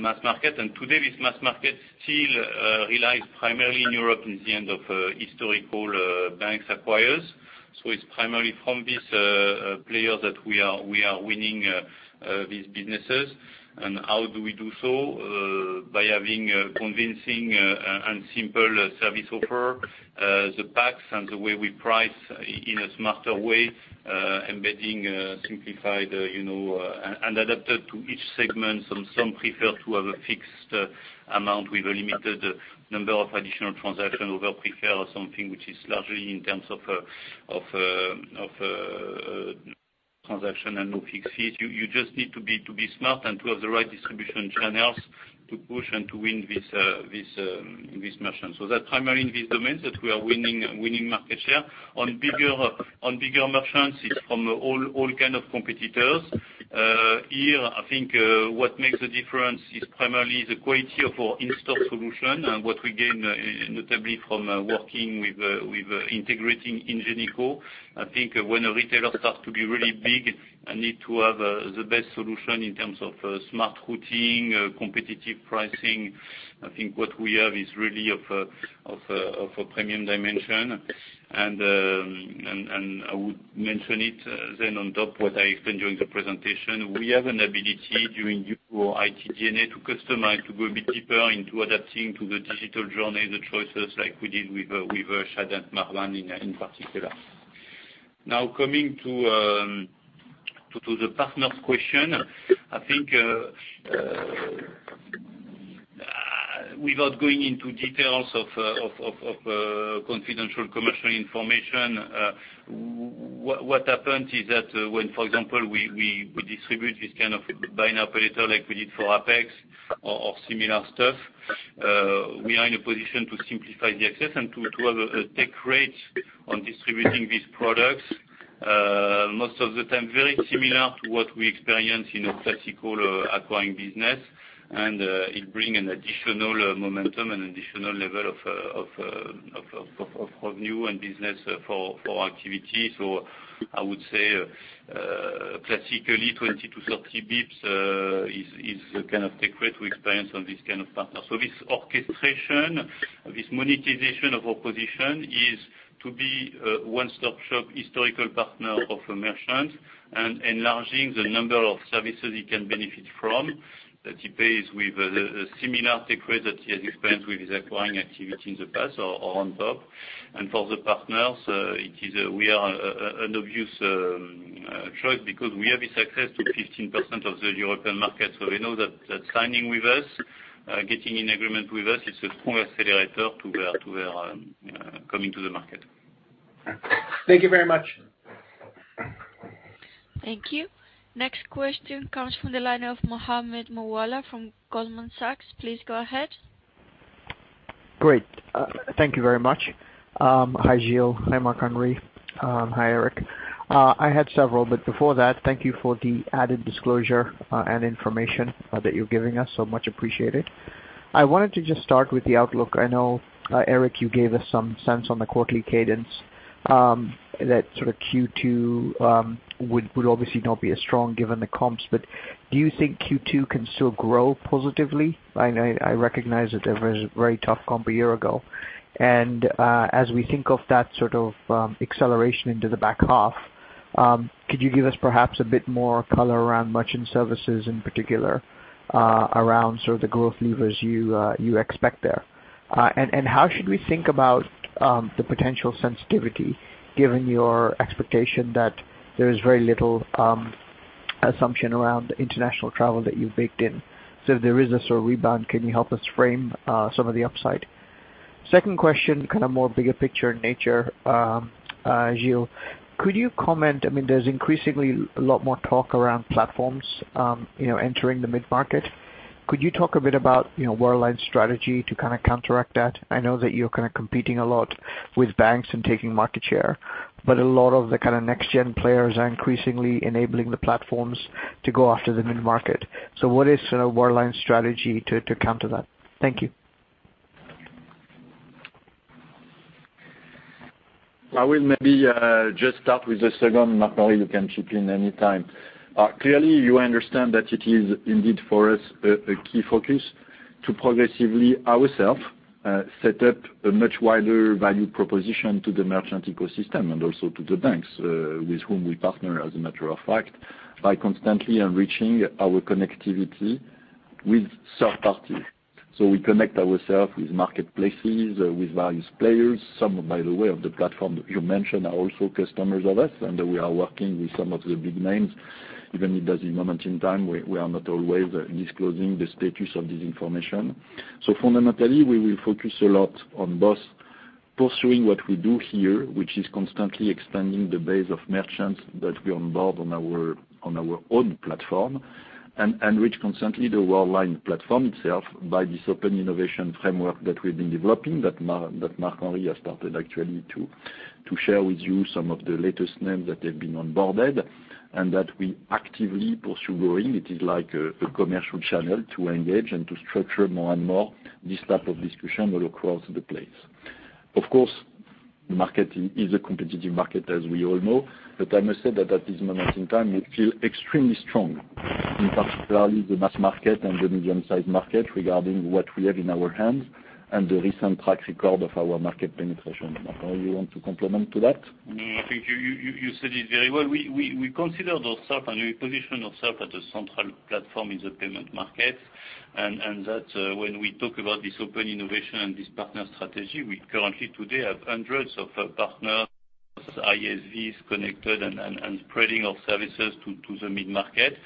mass market. Today, this mass market still relies primarily in Europe in the end of historical bank acquirers. It's primarily from this player that we are winning these businesses. How do we do so? By having a convincing and simple service offer, the packs and the way we price in a smarter way, embedding simplified, you know, and adapted to each segment. Some prefer to have a fixed amount with a limited number of additional transaction or they prefer something which is largely in terms of transaction and no fixed fees. You just need to be smart and to have the right distribution channels to push and to win with merchants. That's primarily in these domains that we are winning market share. On bigger merchants, it's from all kind of competitors. Here, I think what makes the difference is primarily the quality of our in-store solution and what we gain notably from integrating Ingenico. I think when a retailer starts to be really big and need to have the best solution in terms of Smart Routing, competitive pricing, I think what we have is really of a premium dimension. I would mention it then on top what I explained during the presentation, we have an ability, drawing on our IT DNA, to customize, to go a bit deeper into adapting to the digital journey, the choices like we did with Scheidt & Bachmann in particular. Now coming to the partner's question, I think without going into details of confidential commercial information, what happens is that when, for example, we distribute this kind of BNPL operator like we did for APEXX or similar stuff, we are in a position to simplify the access and to have a take rate on distributing these products, most of the time, very similar to what we experience in a classical acquiring business. It brings an additional momentum and additional level of revenue and business for our activity. I would say classically 20-30 basis points is a kind of take rate we experience on this kind of partner. This orchestration, this monetization of our position is to be a one-stop-shop historical partner of a merchant and enlarging the number of services he can benefit from, that he pays with a similar take rate that he has experienced with his acquiring activity in the past or on top. For the partners, we are an obvious choice because we have this access to 15% of the European market. We know that signing with us, getting in agreement with us, it's a strong accelerator to their coming to the market. Thank you very much. Thank you. Next question comes from the line of Mohammed Moawalla from Goldman Sachs. Please go ahead. Great. Thank you very much. Hi, Gilles. Hi, Marc-Henri. Hi, Eric. I had several, but before that, thank you for the added disclosure and information that you're giving us. So much appreciated. I wanted to just start with the outlook. I know, Eric, you gave us some sense on the quarterly cadence, that sort of Q2 would obviously not be as strong given the comps. But do you think Q2 can still grow positively? I know, I recognize that there was a very tough comp a year ago. As we think of that sort of acceleration into the back half, could you give us perhaps a bit more color around Merchant Services in particular, around sort of the growth levers you expect there? How should we think about the potential sensitivity given your expectation that there is very little assumption around international travel that you've baked in? If there is a sort of rebound, can you help us frame some of the upside? Second question, kind of more bigger picture in nature, Gilles. Could you comment? I mean, there's increasingly a lot more talk around platforms, you know, entering the mid-market. Could you talk a bit about, you know, Worldline's strategy to kinda counteract that? I know that you're kinda competing a lot with banks and taking market share, but a lot of the kinda next gen players are increasingly enabling the platforms to go after the mid-market. What is, you know, Worldline's strategy to counter that? Thank you. I will maybe just start with the second, Marc-Henri, you can chip in any time. Clearly, you understand that it is indeed for us a key focus to progressively ourselves set up a much wider value proposition to the merchant ecosystem and also to the banks with whom we partner as a matter of fact, by constantly enriching our connectivity with third parties. We connect ourselves with marketplaces, with various players. Some, by the way, of the platform you mentioned are also customers of us, and we are working with some of the big names. Even if there's a moment in time we are not always disclosing the status of this information. Fundamentally, we will focus a lot on both pursuing what we do here, which is constantly expanding the base of merchants that we onboard on our own platform, and enrich constantly the Worldline platform itself by this open innovation framework that we've been developing, that Marc-Henri has started actually to share with you some of the latest names that have been onboarded and that we actively pursue growing. It is like a commercial channel to engage and to structure more and more this type of discussion all across the place. Of course, market is a competitive market, as we all know. I must say that at this moment in time, we feel extremely strong, in particularly the mass market and the medium-sized market, regarding what we have in our hands and the recent track record of our market penetration. Marc-Henri, you want to comment on that? No, I think you said it very well. We consider ourselves and we position ourselves as a central platform in the payment market. That, when we talk about this open innovation and this partner strategy, we currently today have hundreds of partners, ISVs connected and spreading our services to the mid-market.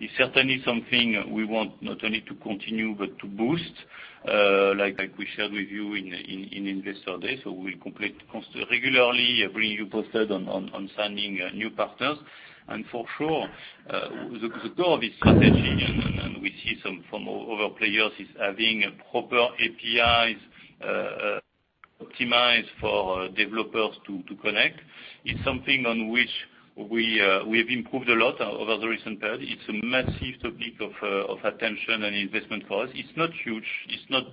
It's certainly something we want not only to continue but to boost, like we shared with you in Investor Day. We constantly keep you posted on signing new partners. For sure, the goal of this strategy, we see some from other players, is having proper APIs optimized for developers to connect. It's something on which we have improved a lot over the recent period. It's a massive topic of attention and investment for us. It's not huge. It's not,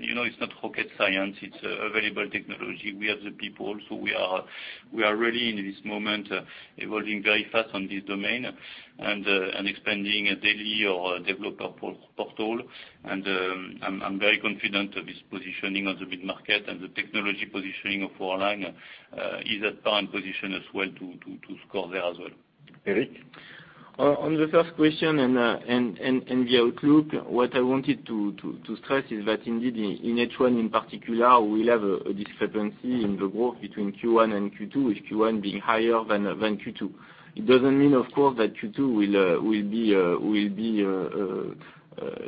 you know, it's not rocket science. It's available technology. We have the people. We are really in this moment evolving very fast on this domain and expanding a daily or a developer portal. I'm very confident of this positioning on the mid-market and the technology positioning of Worldline is at current position as well to- Score there as well. Eric? On the first question and the outlook, what I wanted to stress is that indeed in H1 in particular, we'll have a discrepancy in the growth between Q1 and Q2, with Q1 being higher than Q2. It doesn't mean, of course, that Q2 will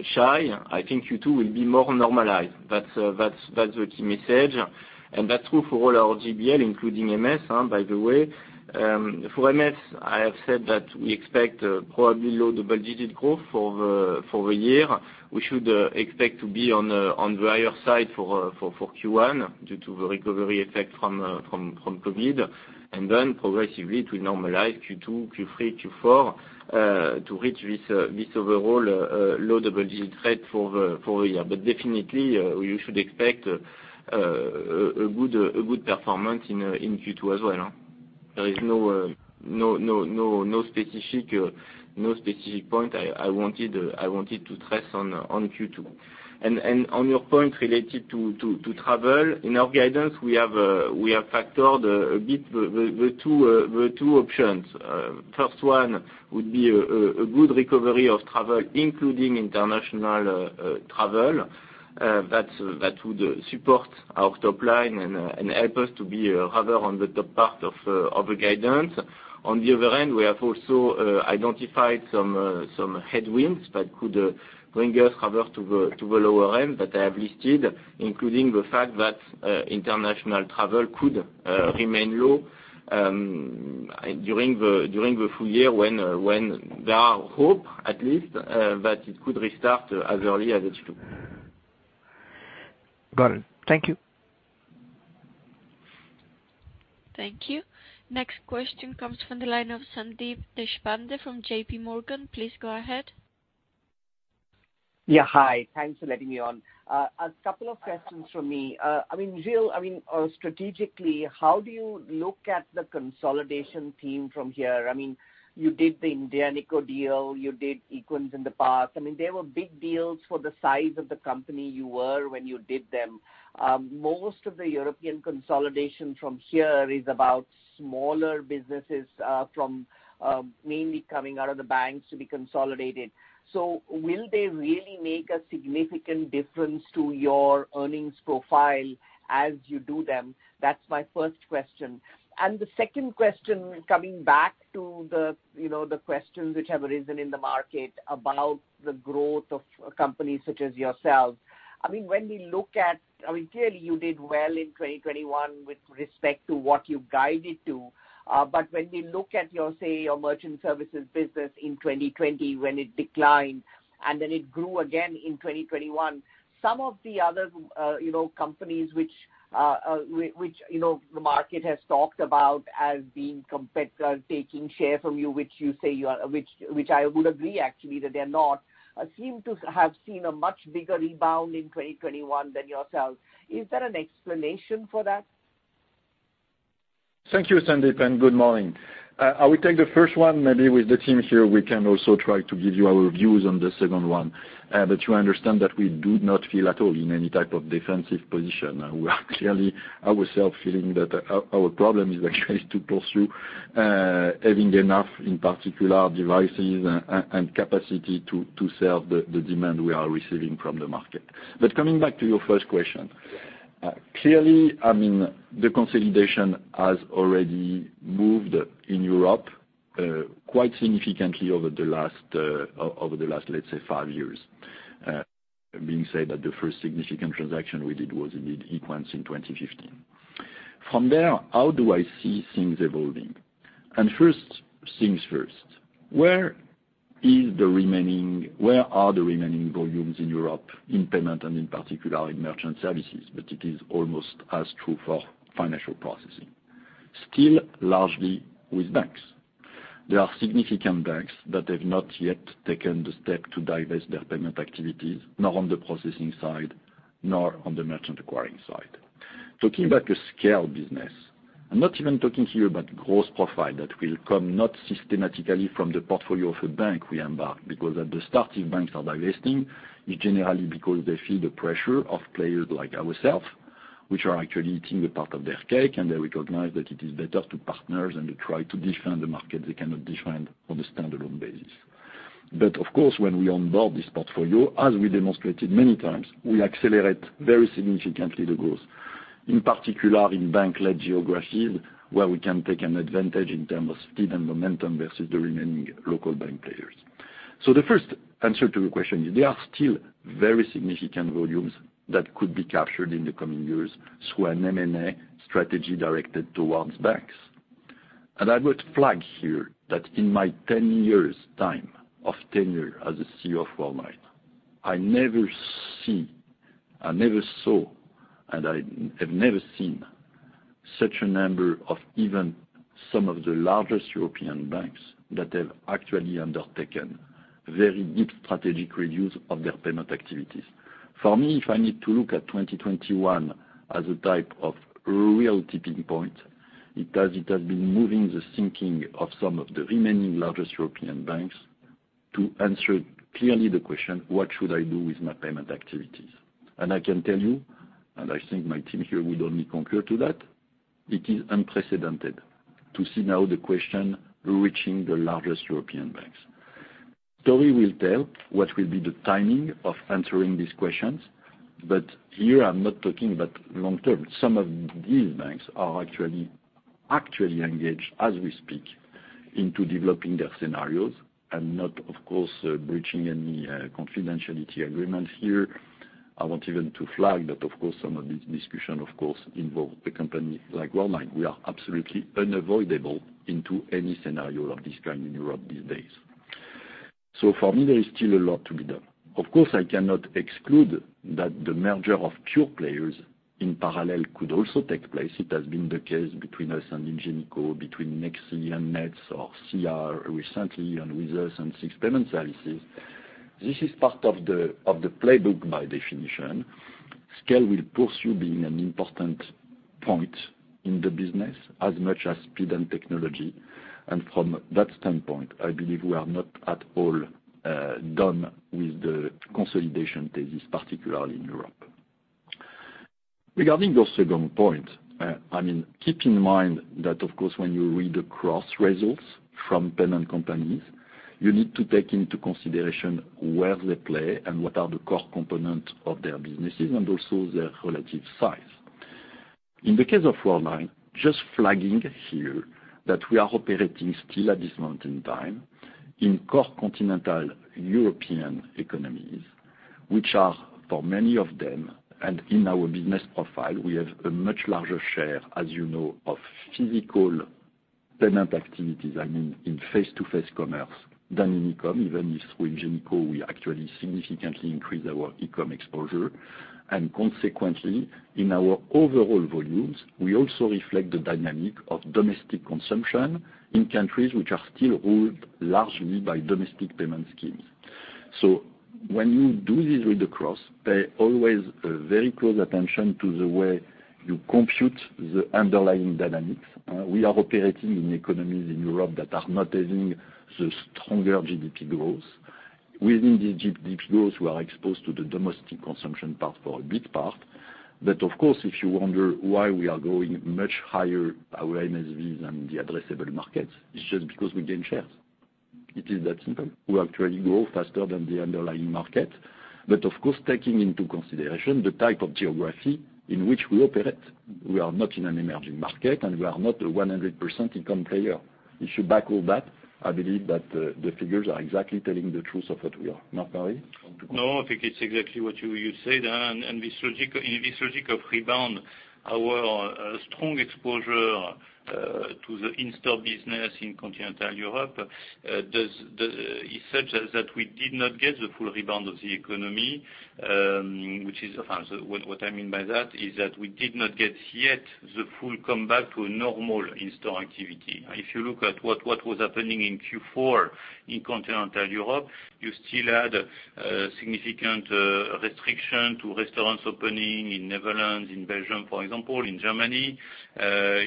be shy. I think Q2 will be more normalized. That's the key message. That's true for all our GBL including MS, by the way. For MS, I have said that we expect probably low double-digit growth for the year. We should expect to be on the higher side for Q1 due to the recovery effect from COVID. Then progressively to normalize Q2, Q3, Q4, to reach this overall low double-digit rate for the year. Definitely we should expect a good performance in Q2 as well. There is no specific point I wanted to stress on Q2. On your point related to travel, in our guidance, we have factored a bit the two options. First one would be a good recovery of travel, including international travel, that would support our top line and help us to be rather on the top part of the guidance. On the other end, we have also identified some headwinds that could bring us rather to the lower end that I have listed, including the fact that international travel could remain low during the full year when there is hope at least that it could restart as early as H2. Got it. Thank you. Thank you. Next question comes from the line of Sandeep Deshpande from JPMorgan. Please go ahead. Yeah. Hi. Thanks for letting me on. A couple of questions from me. I mean, Gilles, strategically, how do you look at the consolidation theme from here? I mean, you did the Ingenico deal, you did Equens in the past. I mean, they were big deals for the size of the company you were when you did them. Most of the European consolidation from here is about smaller businesses, from, mainly coming out of the banks to be consolidated. So will they really make a significant difference to your earnings profile as you do them? That's my first question. The second question, coming back to the, you know, the questions which have arisen in the market about the growth of companies such as yourselves. I mean, when we look at... I mean, clearly you did well in 2021 with respect to what you guided to. When we look at your, say, your Merchant Services business in 2020 when it declined, and then it grew again in 2021, some of the other, you know, companies which, you know, the market has talked about as being competitors taking share from you, which I would agree actually that they're not, seem to have seen a much bigger rebound in 2021 than yourselves. Is there an explanation for that? Thank you, Sandeep, and good morning. I will take the first one. Maybe with the team here, we can also try to give you our views on the second one. But you understand that we do not feel at all in any type of defensive position. We are clearly ourselves feeling that our problem is actually to pursue having enough, in particular devices and capacity to sell the demand we are receiving from the market. But coming back to your first question, clearly, I mean, the consolidation has already moved in Europe quite significantly over the last five years. That being said, the first significant transaction we did was indeed Equens in 2015. From there, how do I see things evolving? First things first, where is the remaining... Where are the remaining volumes in Europe in payments, and in particular in Merchant Services, but it is almost as true for financial processing? Still largely with banks. There are significant banks that have not yet taken the step to divest their payment activities, nor on the processing side, nor on the merchant acquiring side. Talking about a scale business, I'm not even talking here about gross profit that will come not systematically from the portfolio of a bank we acquire, because as the banks are divesting, generally because they feel the pressure of players like ourselves, which are actually eating a part of their cake, and they recognize that it is better to partner than to try to defend the market they cannot defend on a standalone basis. Of course, when we onboard this portfolio, as we demonstrated many times, we accelerate very significantly the growth, in particular in bank-led geographies where we can take an advantage in terms of speed and momentum versus the remaining local bank players. The first answer to your question is there are still very significant volumes that could be captured in the coming years through an M&A strategy directed towards banks. I would flag here that in my ten years' time of tenure as a CEO of Worldline, I have never seen such a number of even some of the largest European banks that have actually undertaken very deep strategic reviews of their payment activities. For me, if I need to look at 2021 as a type of real tipping point, it has been moving the thinking of some of the remaining largest European banks. To answer clearly the question, what should I do with my payment activities? I can tell you, and I think my team here would only concur to that, it is unprecedented to see now the question reaching the largest European banks. We will tell what will be the timing of answering these questions, but here I'm not talking about long term. Some of these banks are actually engaged, as we speak, into developing their scenarios and not, of course, breaching any confidentiality agreements here. I want even to flag that, of course, some of these discussions, of course, involve the company like Worldline. We are absolutely involved in any scenario of this kind in Europe these days. For me, there is still a lot to be done. Of course, I cannot exclude that the merger of pure players in parallel could also take place. It has been the case between us and Ingenico, between Nexi and Nets, or SIA recently, and with us and SIX Payment Services. This is part of the playbook by definition. Scale will continue being an important point in the business as much as speed and technology, and from that standpoint, I believe we are not at all done with the consolidation thesis, particularly in Europe. Regarding your second point, I mean, keep in mind that of course, when you read across results from payment companies, you need to take into consideration where they play and what are the core components of their businesses, and also their relative size. In the case of Worldline, just flagging here that we are operating still at this point in time in core continental European economies, which are, for many of them, and in our business profile, we have a much larger share, as you know, of physical payment activities, I mean, in face-to-face commerce than in e-com. Even if through Ingenico, we actually significantly increase our e-com exposure. Consequently, in our overall volumes, we also reflect the dynamic of domestic consumption in countries which are still ruled largely by domestic payment schemes. When you do this read across, pay very close attention to the way you compute the underlying dynamics. We are operating in economies in Europe that are not having the strongest GDP growth. Within the GDP growth, we are exposed to the domestic consumption part for a big part. Of course, if you wonder why our MSVs are growing much higher than the addressable markets, it's just because we gain shares. It is that simple. We actually grow faster than the underlying market. Of course, taking into consideration the type of geography in which we operate, we are not in an emerging market, and we are not a 100% e-com player. If you back all that, I believe that the figures are exactly telling the truth of what we are. No, Marc-Henri? No, I think it's exactly what you said. In this logic of rebound, our strong exposure to the in-store business in continental Europe is such that we did not get the full rebound of the economy, which is what I mean by that is that we did not get yet the full comeback to a normal in-store activity. If you look at what was happening in Q4 in continental Europe, you still had a significant restriction to restaurants opening in Netherlands, in Belgium, for example. In Germany,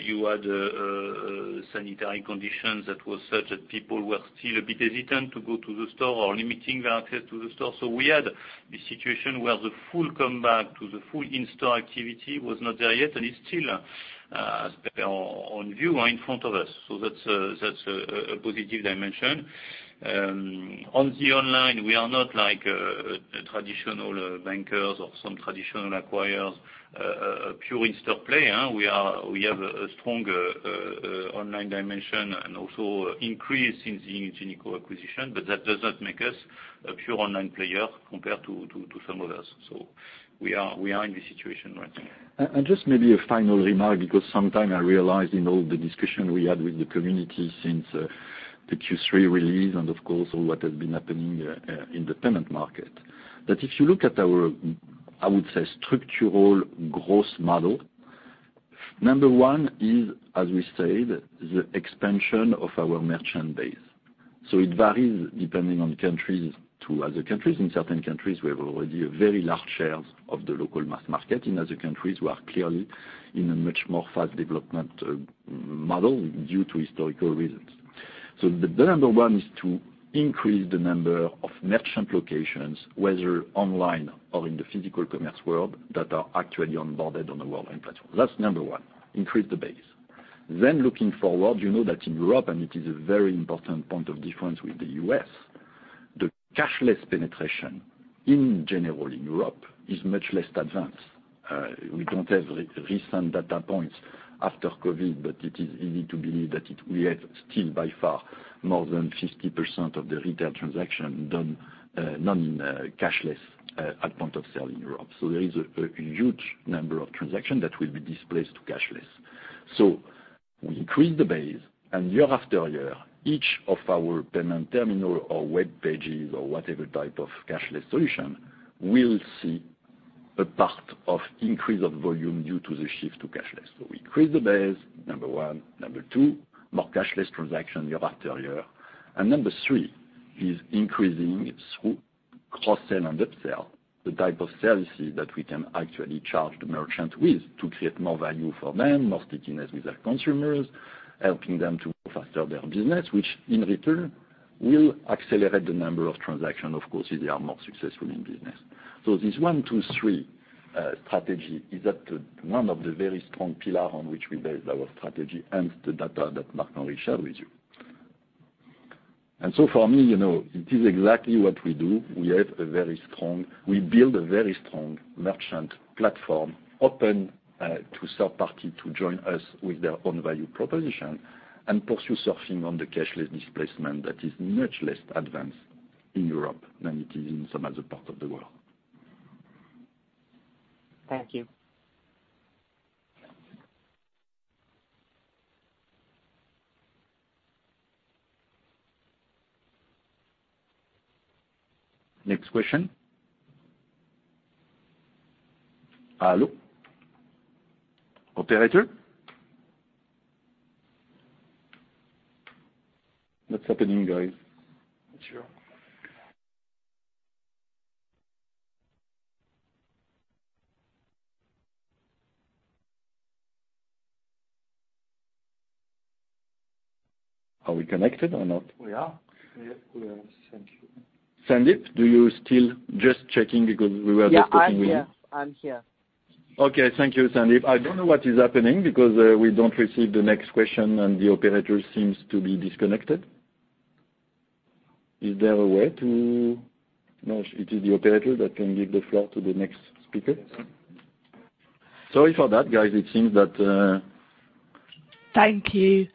you had sanitary conditions that were such that people were still a bit hesitant to go to the store or limiting their access to the store. We had this situation where the full comeback to the full in-store activity was not there yet, and it's still on view or in front of us. That's a positive dimension. On the online, we are not like traditional bankers or some traditional acquirers, pure in-store play. We have a strong online dimension and also increase in the Ingenico acquisition, but that does not make us a pure online player compared to some others. We are in this situation right now. Just maybe a final remark, because sometimes I realize in all the discussion we had with the community since the Q3 release and of course, all what has been happening in the payment market. If you look at our, I would say, structural growth model, number one is, as we said, the expansion of our merchant base. It varies depending on countries to other countries. In certain countries, we have already a very large share of the local mass market. In other countries, we are clearly in a much more fast development model due to historical reasons. The number one is to increase the number of merchant locations, whether online or in the physical commerce world, that are actually onboarded on the Worldline platform. That's number one, increase the base. Looking forward, you know that in Europe, and it is a very important point of difference with the U.S., the cashless penetration in general in Europe is much less advanced. We don't have recent data points after COVID, but it is easy to believe that. We have still by far more than 50% of the retail transaction done, not in cashless, at point of sale in Europe. There is a huge number of transactions that will be displaced to cashless. We increase the base, and year after year, each of our payment terminal or web pages or whatever type of cashless solution will see a part of increase of volume due to the shift to cashless. Increase the base, number one. Number two, more cashless transaction year after year. Number three is increasing through- Cross-sell and upsell, the type of services that we can actually charge the merchant with to create more value for them, more stickiness with their consumers, helping them to foster their business, which in return will accelerate the number of transactions, of course, if they are more successful in business. This one, two, three, strategy is one of the very strong pillar on which we base our strategy and the data that Marc-Henri shared with you. For me, you know, it is exactly what we do. We build a very strong merchant platform, open, to third party to join us with their own value proposition and pursue surfing on the cashless displacement that is much less advanced in Europe than it is in some other parts of the world. Thank you. Next question. Hello? Operator? What's happening, guys? Not sure. Are we connected or not? We are. Yeah, we are. Thank you. Sandeep, just checking because we were just talking with you. Yeah, I'm here. I'm here. Okay. Thank you, Sandeep. I don't know what is happening because we don't receive the next question, and the operator seems to be disconnected. No, it is the operator that can give the floor to the next speaker. Sorry for that, guys. It seems that. Thank you.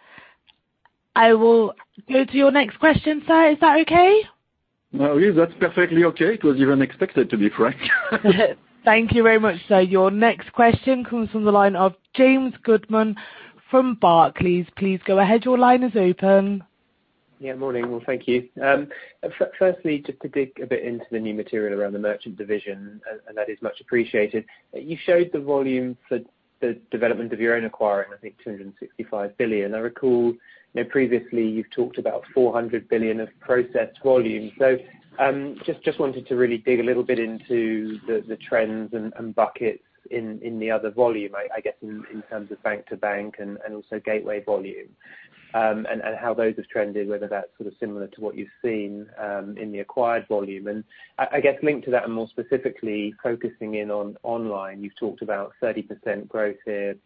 I will go to your next question, sir. Is that okay? Oh, yeah, that's perfectly okay. It was even expected, to be frank. Thank you very much, sir. Your next question comes from the line of James Goodman from Barclays. Please go ahead. Your line is open. Morning. Well, thank you. Firstly, just to dig a bit into the new material around the Merchant Services, and that is much appreciated. You showed the volume for the development of your own acquiring, I think 265 billion. I recall, you know, previously you've talked about 400 billion of processed volume. Just wanted to really dig a little bit into the trends and buckets in the other volume, I guess in terms of bank to bank and also gateway volume, and how those have trended, whether that's sort of similar to what you've seen in the acquired volume. I guess linked to that and more specifically focusing in on online, you've talked about 30% growth here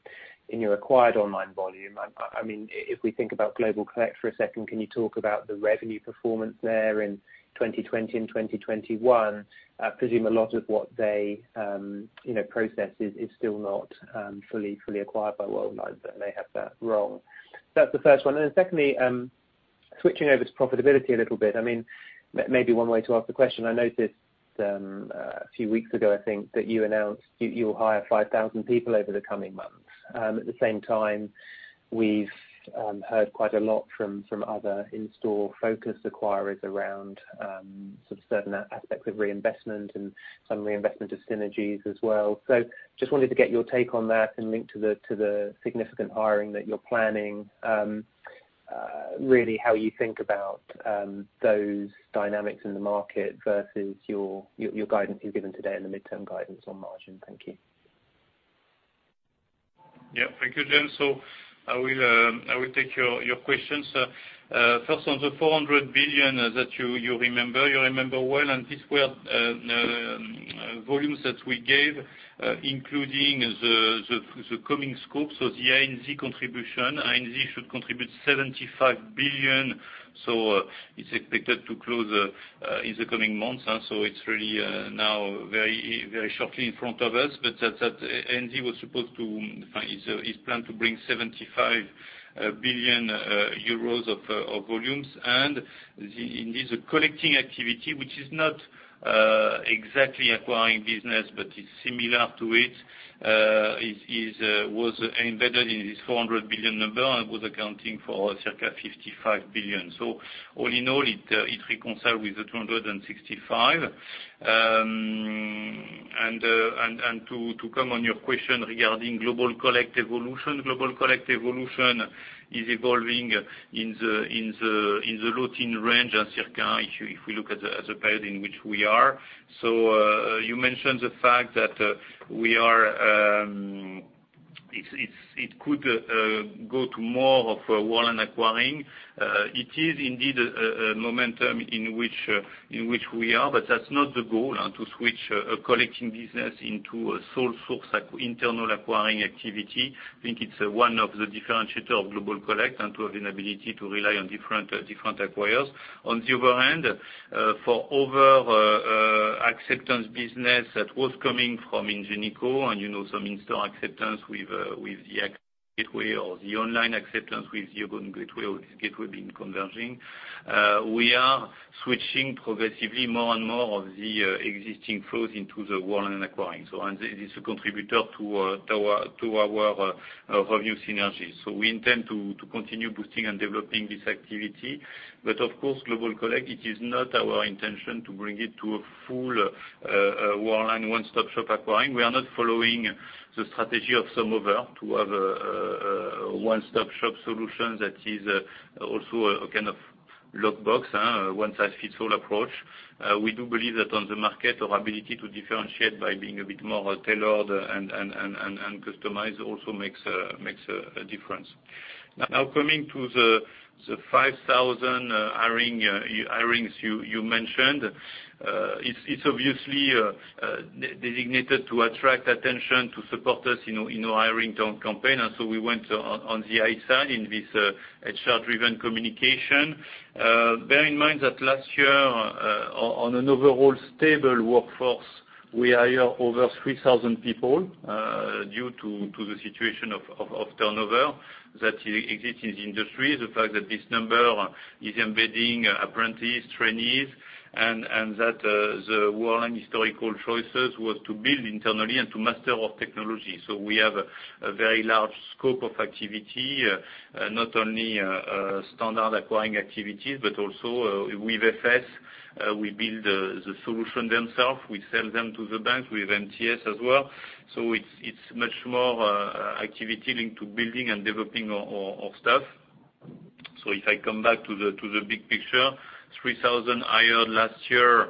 in your acquired online volume. I mean, if we think about Global Collect for a second, can you talk about the revenue performance there in 2020 and 2021? I presume a lot of what they, you know, process is still not fully acquired by Worldline, but I may have that wrong. That's the first one. Then secondly, switching over to profitability a little bit, I mean, maybe one way to ask the question, I noticed a few weeks ago, I think, that you announced you will hire 5,000 people over the coming months. At the same time, we've heard quite a lot from other in-store focused acquirers around sort of certain aspects of reinvestment and some reinvestment of synergies as well. Just wanted to get your take on that and link to the significant hiring that you're planning, really how you think about those dynamics in the market versus your guidance you've given today and the midterm guidance on margin. Thank you. Yeah. Thank you, James. I will take your questions. First on the 400 billion that you remember. You remember well, and these were volumes that we gave, including the coming scope. The ANZ contribution. ANZ should contribute 75 billion, it's expected to close in the coming months, it's really now very shortly in front of us. But that ANZ was supposed to. It's plan to bring 75 billion euros of volumes. And in this collecting activity, which is not exactly acquiring business, but it's similar to it, was embedded in this 400 billion number and was accounting for circa 55 billion. All in all, it reconciles with the 265 billion. To comment on your question regarding Global Collect evolution, Global Collect evolution is evolving in the right range and so if we look at the period in which we are. You mentioned the fact that it's, it could go to more of a walled acquiring. It is indeed a momentum in which we are, but that's not the goal to switch a collecting business into a sole source internal acquiring activity. I think it's one of the differentiator of Global Collect and to have an ability to rely on different acquirers. On the other hand, for other acceptance business that was coming from Ingenico and, you know, some in-store acceptance with the gateway or the online acceptance with the ongoing gateway being converging, we are switching progressively more and more of the existing flows into the Worldline acquiring. It's a contributor to our revenue synergies. We intend to continue boosting and developing this activity. Of course, Global Collect, it is not our intention to bring it to a full Worldline one-stop shop acquiring. We are not following the strategy of some other to have a one-stop shop solution that is also a kind of Lockbox one size fits all approach. We do believe that on the market, our ability to differentiate by being a bit more tailored and customized also makes a difference. Now coming to the 5,000 hirings you mentioned. It's obviously designated to attract attention to support us in our hiring now campaign. We went on the high side in this HR-driven communication. Bear in mind that last year, on an overall stable workforce, we hire over 3,000 people due to the situation of turnover that exists in the industry. The fact that this number is embedding apprentices, trainees, and that the Worldline historical choices was to build internally and to master our technology. We have a very large scope of activity, not only standard acquiring activities, but also with FS, we build the solutions themselves. We sell them to the banks with MTS as well. It's much more activity linked to building and developing our staff. If I come back to the big picture, 3,000 hired last year,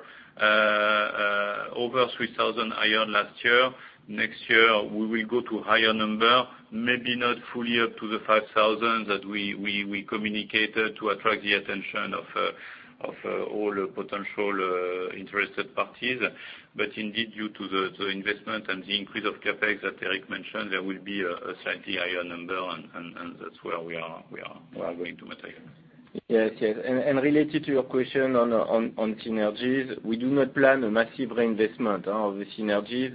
over 3,000 hired last year. Next year, we will go to higher number, maybe not fully up to the 5,000 that we communicated to attract the attention of all potential interested parties. Indeed, due to the investment and the increase of CapEx that Eric mentioned, there will be a slightly higher number, and that's where we are going to maintain. Yes, yes. Related to your question on synergies, we do not plan a massive reinvestment of the synergies.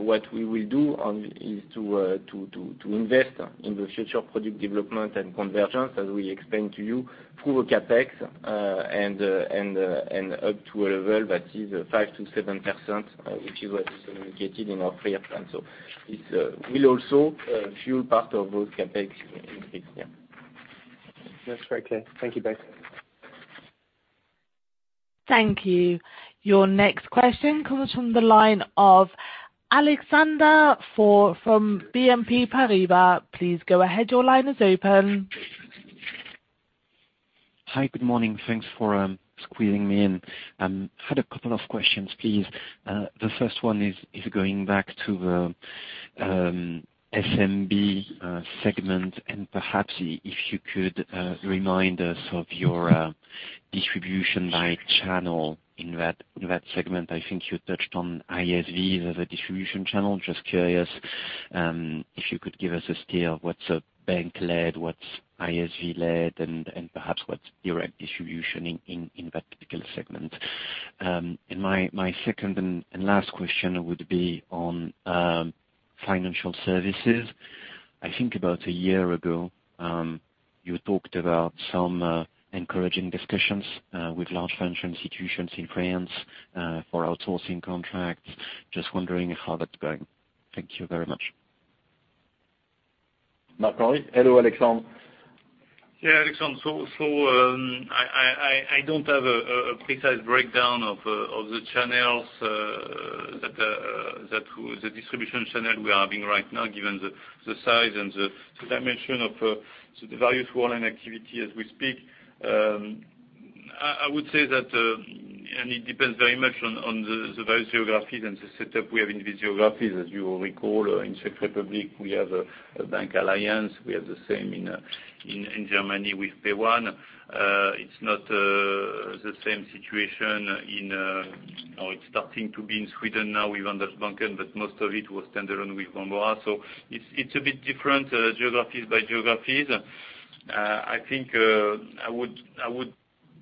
What we will do is to invest in the future product development and convergence, as we explained to you, through a CapEx and up to a level that is 5%-7%, which you also indicated in our three-year plan. It will also fuel part of our CapEx increase. Yeah. That's very clear. Thank you both. Thank you. Your next question comes from the line of Alexandre Faure from BNP Paribas. Please go ahead. Your line is open. Hi, good morning. Thanks for squeezing me in. I had a couple of questions, please. The first one is going back to the SMB segment and perhaps if you could remind us of your distribution by channel in that segment. I think you touched on ISV as a distribution channel. Just curious if you could give us a steer of what's bank-led, what's ISV-led, and perhaps what's direct distribution in that particular segment. My second and last question would be on Financial Services. I think about a year ago you talked about some encouraging discussions with large financial institutions in France for outsourcing contracts. Just wondering how that's going. Thank you very much. Marc-Henri? Hello, Alexandre. Yeah, Alexandre. I don't have a precise breakdown of the channels that the distribution channels we are having right now, given the size and the dimension of the volume of online activity as we speak. I would say that it depends very much on the various geographies and the setup we have in these geographies. As you will recall, in Czech Republic, we have a bank alliance. We have the same in Germany with PAYONE. It's not the same situation, or it's starting to be in Sweden now with Handelsbanken, but most of it was standalone with Bambora. It's a bit different, geographies by geographies. I think I would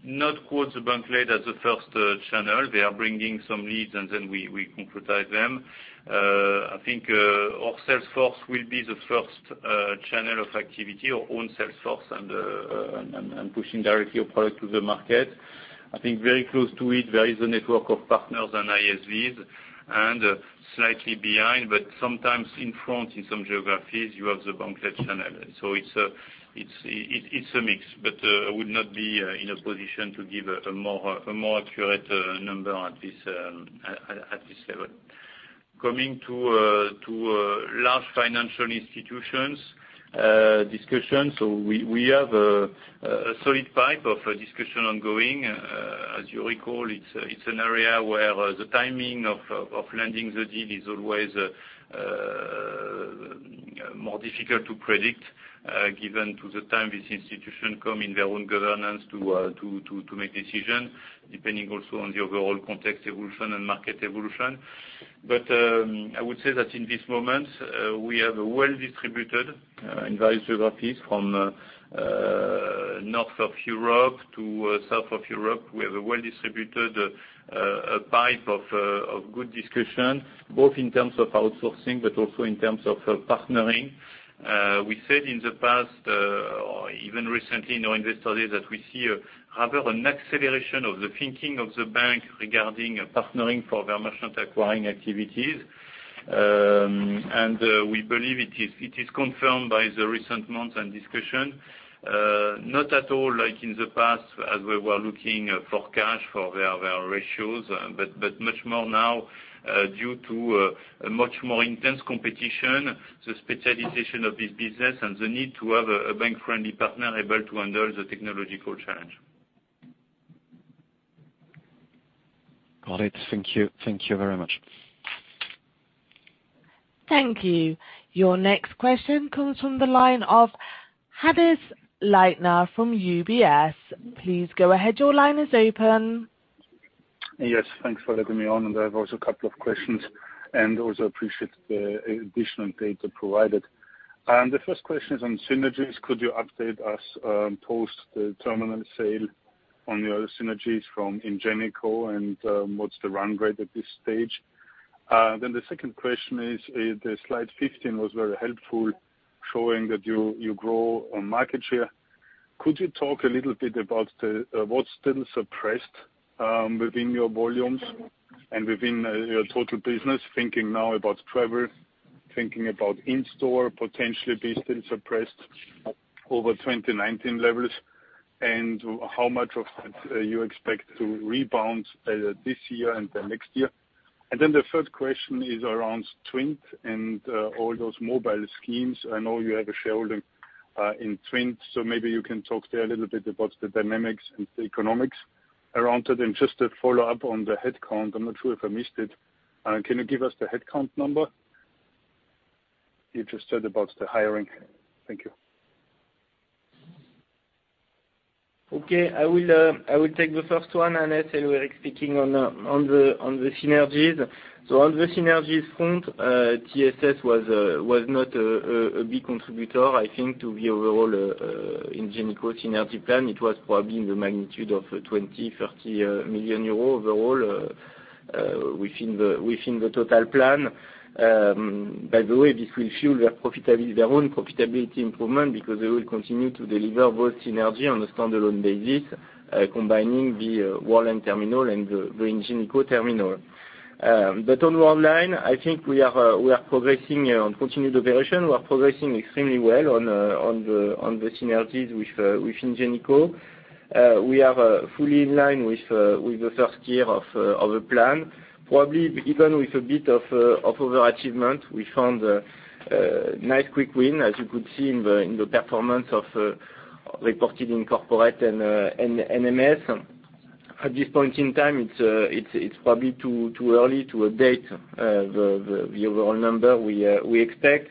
not quote the bank-led as the first channel. They are bringing some leads, and then we concretize them. I think our sales force will be the first channel of activity, our own sales force and pushing directly our product to the market. I think very close to it, there is a network of partners and ISVs, and slightly behind, but sometimes in front in some geographies, you have the bank-led channel. It's a mix, but I would not be in a position to give a more accurate number at this level. Coming to large financial institutions discussions, we have a solid pipeline of discussions ongoing. As you recall, it's an area where the timing of landing the deal is always more difficult to predict, given the time these institutions take in their own governance to make decisions, depending also on the overall context evolution and market evolution. I would say that in this moment we have a well-distributed in various geographies from north of Europe to south of Europe. We have a well-distributed pipeline of good discussions, both in terms of outsourcing, but also in terms of partnering. We said in the past or even recently in our investor day that we see a rather an acceleration of the thinking of the banks regarding partnering for their merchant acquiring activities. We believe it is confirmed by the recent months and discussion. Not at all like in the past, as we were looking for cash for their ratios, but much more now, due to a much more intense competition, the specialization of this business and the need to have a bank-friendly partner able to handle the technological challenge. Got it. Thank you. Thank you very much. Thank you. Your next question comes from the line of Hannes Leitner from UBS. Please go ahead. Your line is open. Yes, thanks for letting me on, and I have also a couple of questions, and also appreciate the additional data provided. The first question is on synergies. Could you update us post the terminal sale on your synergies from Ingenico and what's the run rate at this stage? The second question is the slide 15 was very helpful, showing that you grow on market share. Could you talk a little bit about what's still suppressed within your volumes and within your total business? Thinking now about travel, thinking about in-store potentially being still suppressed over 2019 levels, and how much of that you expect to rebound this year and the next year. The third question is around TWINT and all those mobile schemes. I know you have a shareholding in TWINT, so maybe you can talk there a little bit about the dynamics and the economics around it. Just a follow-up on the headcount, I'm not sure if I missed it. Can you give us the headcount number? You just said about the hiring. Thank you. Okay. I will take the first one, Hannes, and we're speaking on the synergies. On the synergies front, TSS was not a big contributor, I think, to the overall Ingenico synergy plan. It was probably in the magnitude of 20-30 million euros overall within the total plan. By the way, this will fuel their profitability, their own profitability improvement because they will continue to deliver both synergy on a standalone basis, combining the Worldline terminal and the Ingenico terminal. On Worldline, I think we are progressing on continued operation. We are progressing extremely well on the synergies with Ingenico. We are fully in line with the first year of the plan, probably even with a bit of overachievement. We found a nice quick win, as you could see in the performance reported in corporate and in NMS. At this point in time, it's probably too early to update the overall number we expect.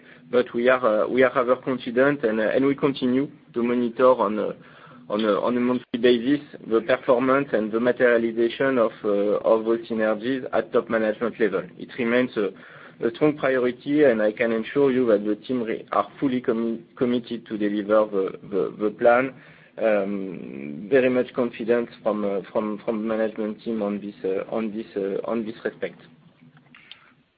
We are rather confident, and we continue to monitor on a monthly basis the performance and the materialization of those synergies at top management level. It remains a strong priority, and I can assure you that the team are fully committed to deliver the plan. Very much confidence from the management team in this respect.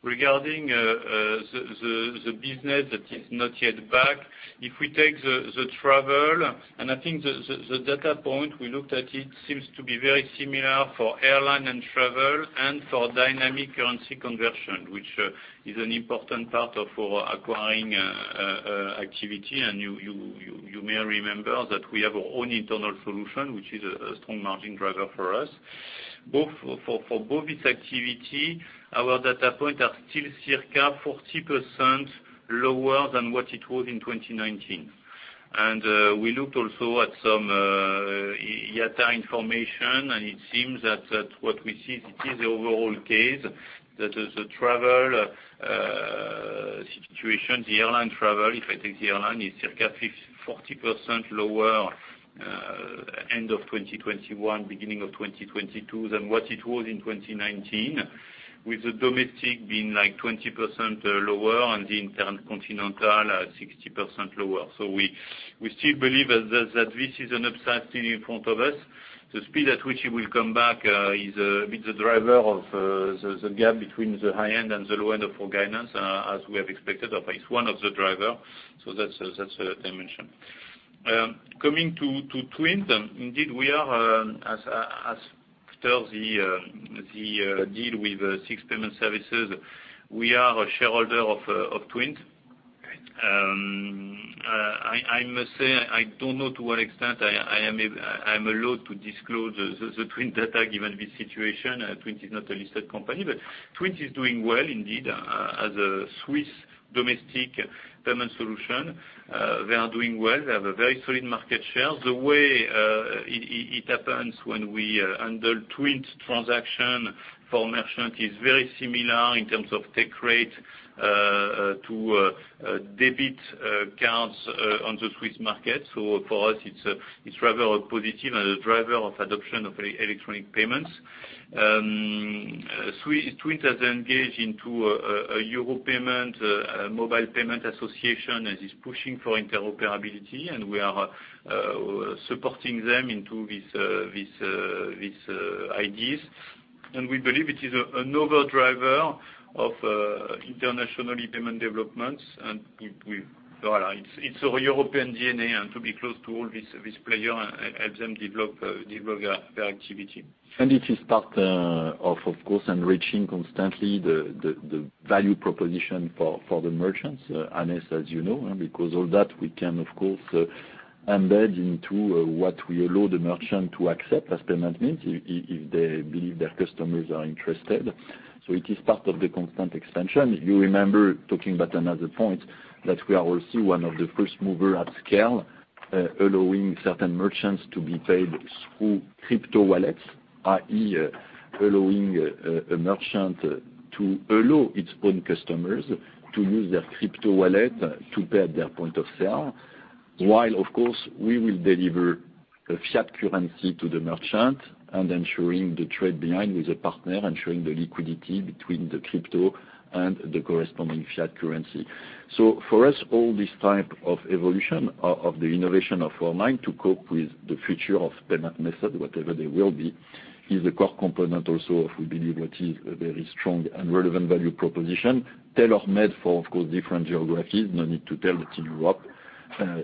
Regarding the business that is not yet back, if we take the travel, and I think the data point we looked at, it seems to be very similar for airline and travel and for Dynamic Currency Conversion, which is an important part of our acquiring activity. You may remember that we have our own internal solution, which is a strong margin driver for us. For both this activity, our data point are still circa 40% lower than what it was in 2019. We looked also at some IATA information, and it seems that what we see is the overall case, that is the travel situation, the airline travel, if I take the airline, is circa 40% lower end of 2021, beginning of 2022 than what it was in 2019, with the domestic being like 20% lower and the intercontinental at 60% lower. We still believe that this is an upside still in front of us. The speed at which it will come back is with the driver of the gap between the high end and the low end of our guidance as we have expected, or it's one of the driver. That's a dimension. Coming to TWINT, indeed we are, as per the deal with SIX Payment Services, we are a shareholder of TWINT. I must say, I don't know to what extent I am allowed to disclose the TWINT data given this situation. TWINT is not a listed company, but TWINT is doing well indeed. As a Swiss domestic payment solution, they are doing well. They have a very solid market share. The way it happens when we handle TWINT transaction for merchant is very similar in terms of take rate to debit cards on the Swiss market. For us, it's rather a positive and a driver of adoption of electronic payments. TWINT has engaged in a European mobile payment association and is pushing for interoperability, and we are supporting them in this ideas. We believe it is a driver of international payment developments. Well, it's a European DNA and to be close to all this player to help them develop their activity. It is part of course enriching constantly the value proposition for the merchants, Hannes, as you know, because all that we can of course embed into what we allow the merchant to accept as payment means if they believe their customers are interested. It is part of the constant expansion. You remember talking about another point, that we are also one of the first mover at scale allowing certain merchants to be paid through crypto wallets, i.e., allowing a merchant to allow its own customers to use their crypto wallet to pay at their point of sale. While of course we will deliver the fiat currency to the merchant and ensuring the trade behind with a partner, ensuring the liquidity between the crypto and the corresponding fiat currency. For us, all this type of evolution of the innovation of online to cope with the future of payment method, whatever they will be, is a core component also of we believe what is a very strong and relevant value proposition. Tailor-made for, of course, different geographies. No need to tell that in Europe,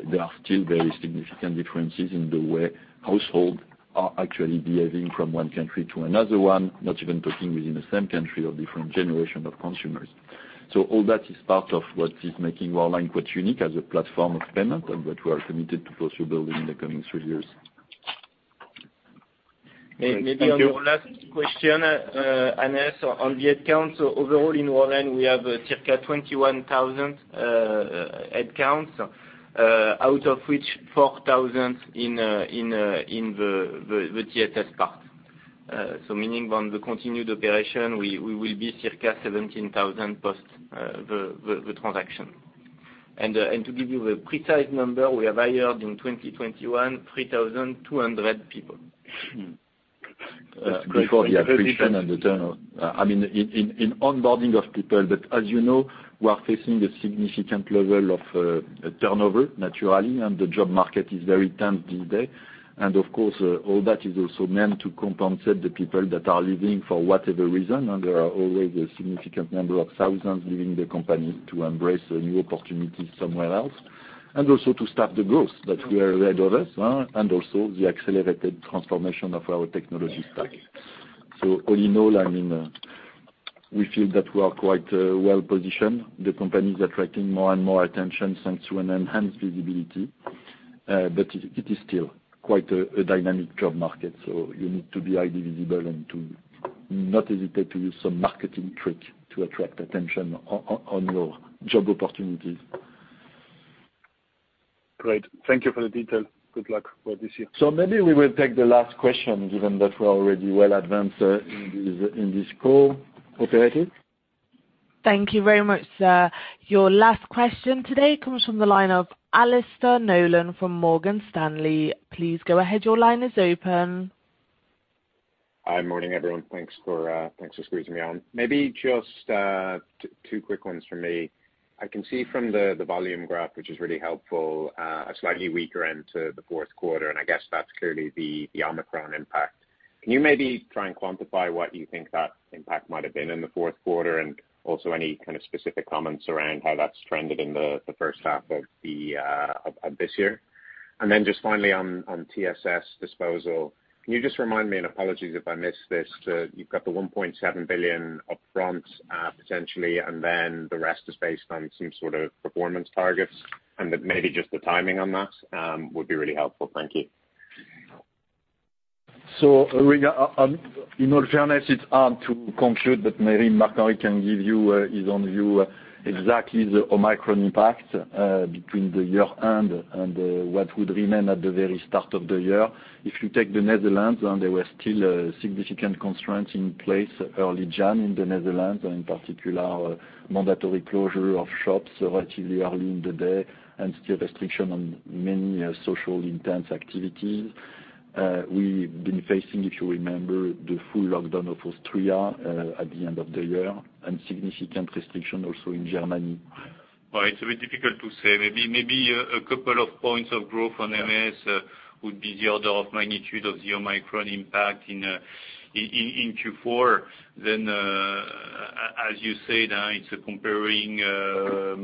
there are still very significant differences in the way households are actually behaving from one country to another one, not even talking within the same country or different generation of consumers. All that is part of what is making Worldline quite unique as a platform of payment and what we are committed to pursue building in the coming three years. Great. Thank you. Maybe on your last question, Hannes, on the headcounts. Overall in Worldline, we have circa 21,000 headcounts out of which 4,000 in the TSS part. Meaning on the continued operation, we will be circa 17,000 post the transaction. To give you a precise number, we have hired in 2021 3,200 people. Before the accretion and the turnover. I mean, in onboarding of people, but as you know, we are facing a significant level of turnover, naturally, and the job market is very tense these days. Of course, all that is also meant to compensate the people that are leaving for whatever reason, and there are always a significant number of thousands leaving the company to embrace a new opportunity somewhere else, and also to staff the growth that we have ahead of us, and also the accelerated transformation of our technology stack. All in all, I mean, we feel that we are quite well-positioned. The company is attracting more and more attention thanks to an enhanced visibility, but it is still quite a dynamic job market, so you need to be highly visible and to not hesitate to use some marketing trick to attract attention on your job opportunities. Great. Thank you for the detail. Good luck for this year. Maybe we will take the last question, given that we are already well advanced in this call. Operator? Thank you very much, sir. Your last question today comes from the line of Alastair Nolan from Morgan Stanley. Please go ahead. Your line is open. Hi. Morning, everyone. Thanks for squeezing me on. Maybe just two quick ones from me. I can see from the volume graph, which is really helpful, a slightly weaker end to the fourth quarter, and I guess that's clearly the Omicron impact. Can you maybe try and quantify what you think that impact might have been in the fourth quarter, and also any kind of specific comments around how that's trended in the first half of this year? Just finally on TSS disposal, can you just remind me, and apologies if I missed this, you've got the 1.7 billion up front, potentially, and then the rest is based on some sort of performance targets? Maybe just the timing on that would be really helpful. Thank you. In all fairness, it's hard to conclude, but maybe Marc-Henri can give you his own view on the Omicron impact between the year-end and what would remain at the very start of the year. If you take the Netherlands, there were still significant constraints in place early January in the Netherlands, in particular mandatory closure of shops relatively early in the day and still restriction on many socially intensive activities. We've been facing, if you remember, the full lockdown of Austria at the end of the year and significant restriction also in Germany. Well, it's a bit difficult to say. Maybe a couple of points of growth on MS would be the order of magnitude of the Omicron impact in Q4. As you say now, it's comparing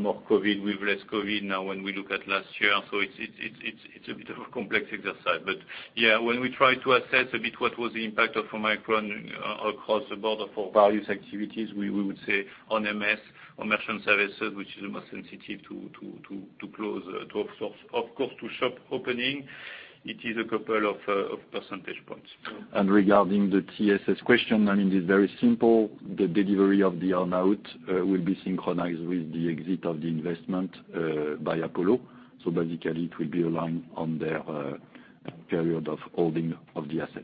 more COVID with less COVID now when we look at last year. It's a bit of a complex exercise. Yeah, when we try to assess a bit what was the impact of Omicron across the board for various activities, we would say on MS, on Merchant Services, which is the most sensitive to closures, of course, to shop opening, it is a couple of percentage points. Regarding the TSS question, I mean, it's very simple. The delivery of the earn-out will be synchronized with the exit of the investment by Apollo. Basically, it will be aligned on their period of holding of the asset.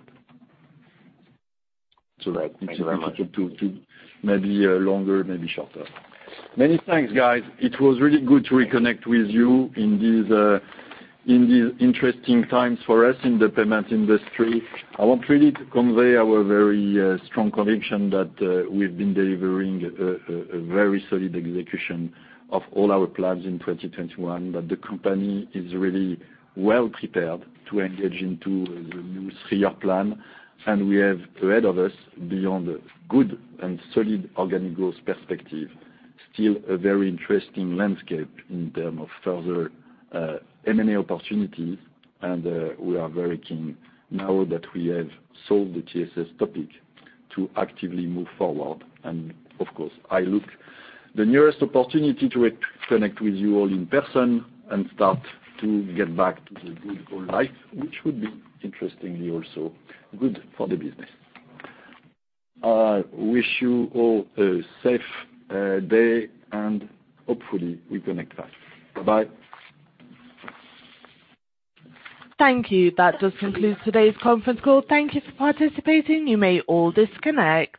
Thank you very much. That it's adapted to maybe longer, maybe shorter. Many thanks, guys. It was really good to reconnect with you in these interesting times for us in the payment industry. I want really to convey our very strong conviction that we've been delivering a very solid execution of all our plans in 2021, that the company is really well prepared to engage into the new three-year plan. We have ahead of us, beyond good and solid organic growth perspectives, still a very interesting landscape in terms of further M&A opportunities. We are very keen now that we have solved the TSS topic to actively move forward. Of course, I look to the nearest opportunity to re-connect with you all in person and start to get back to the good old life, which would be interestingly also good for the business. I wish you all a safe day, and hopefully we connect back. Bye-bye. Thank you. That does conclude today's conference call. Thank you for participating. You may all disconnect.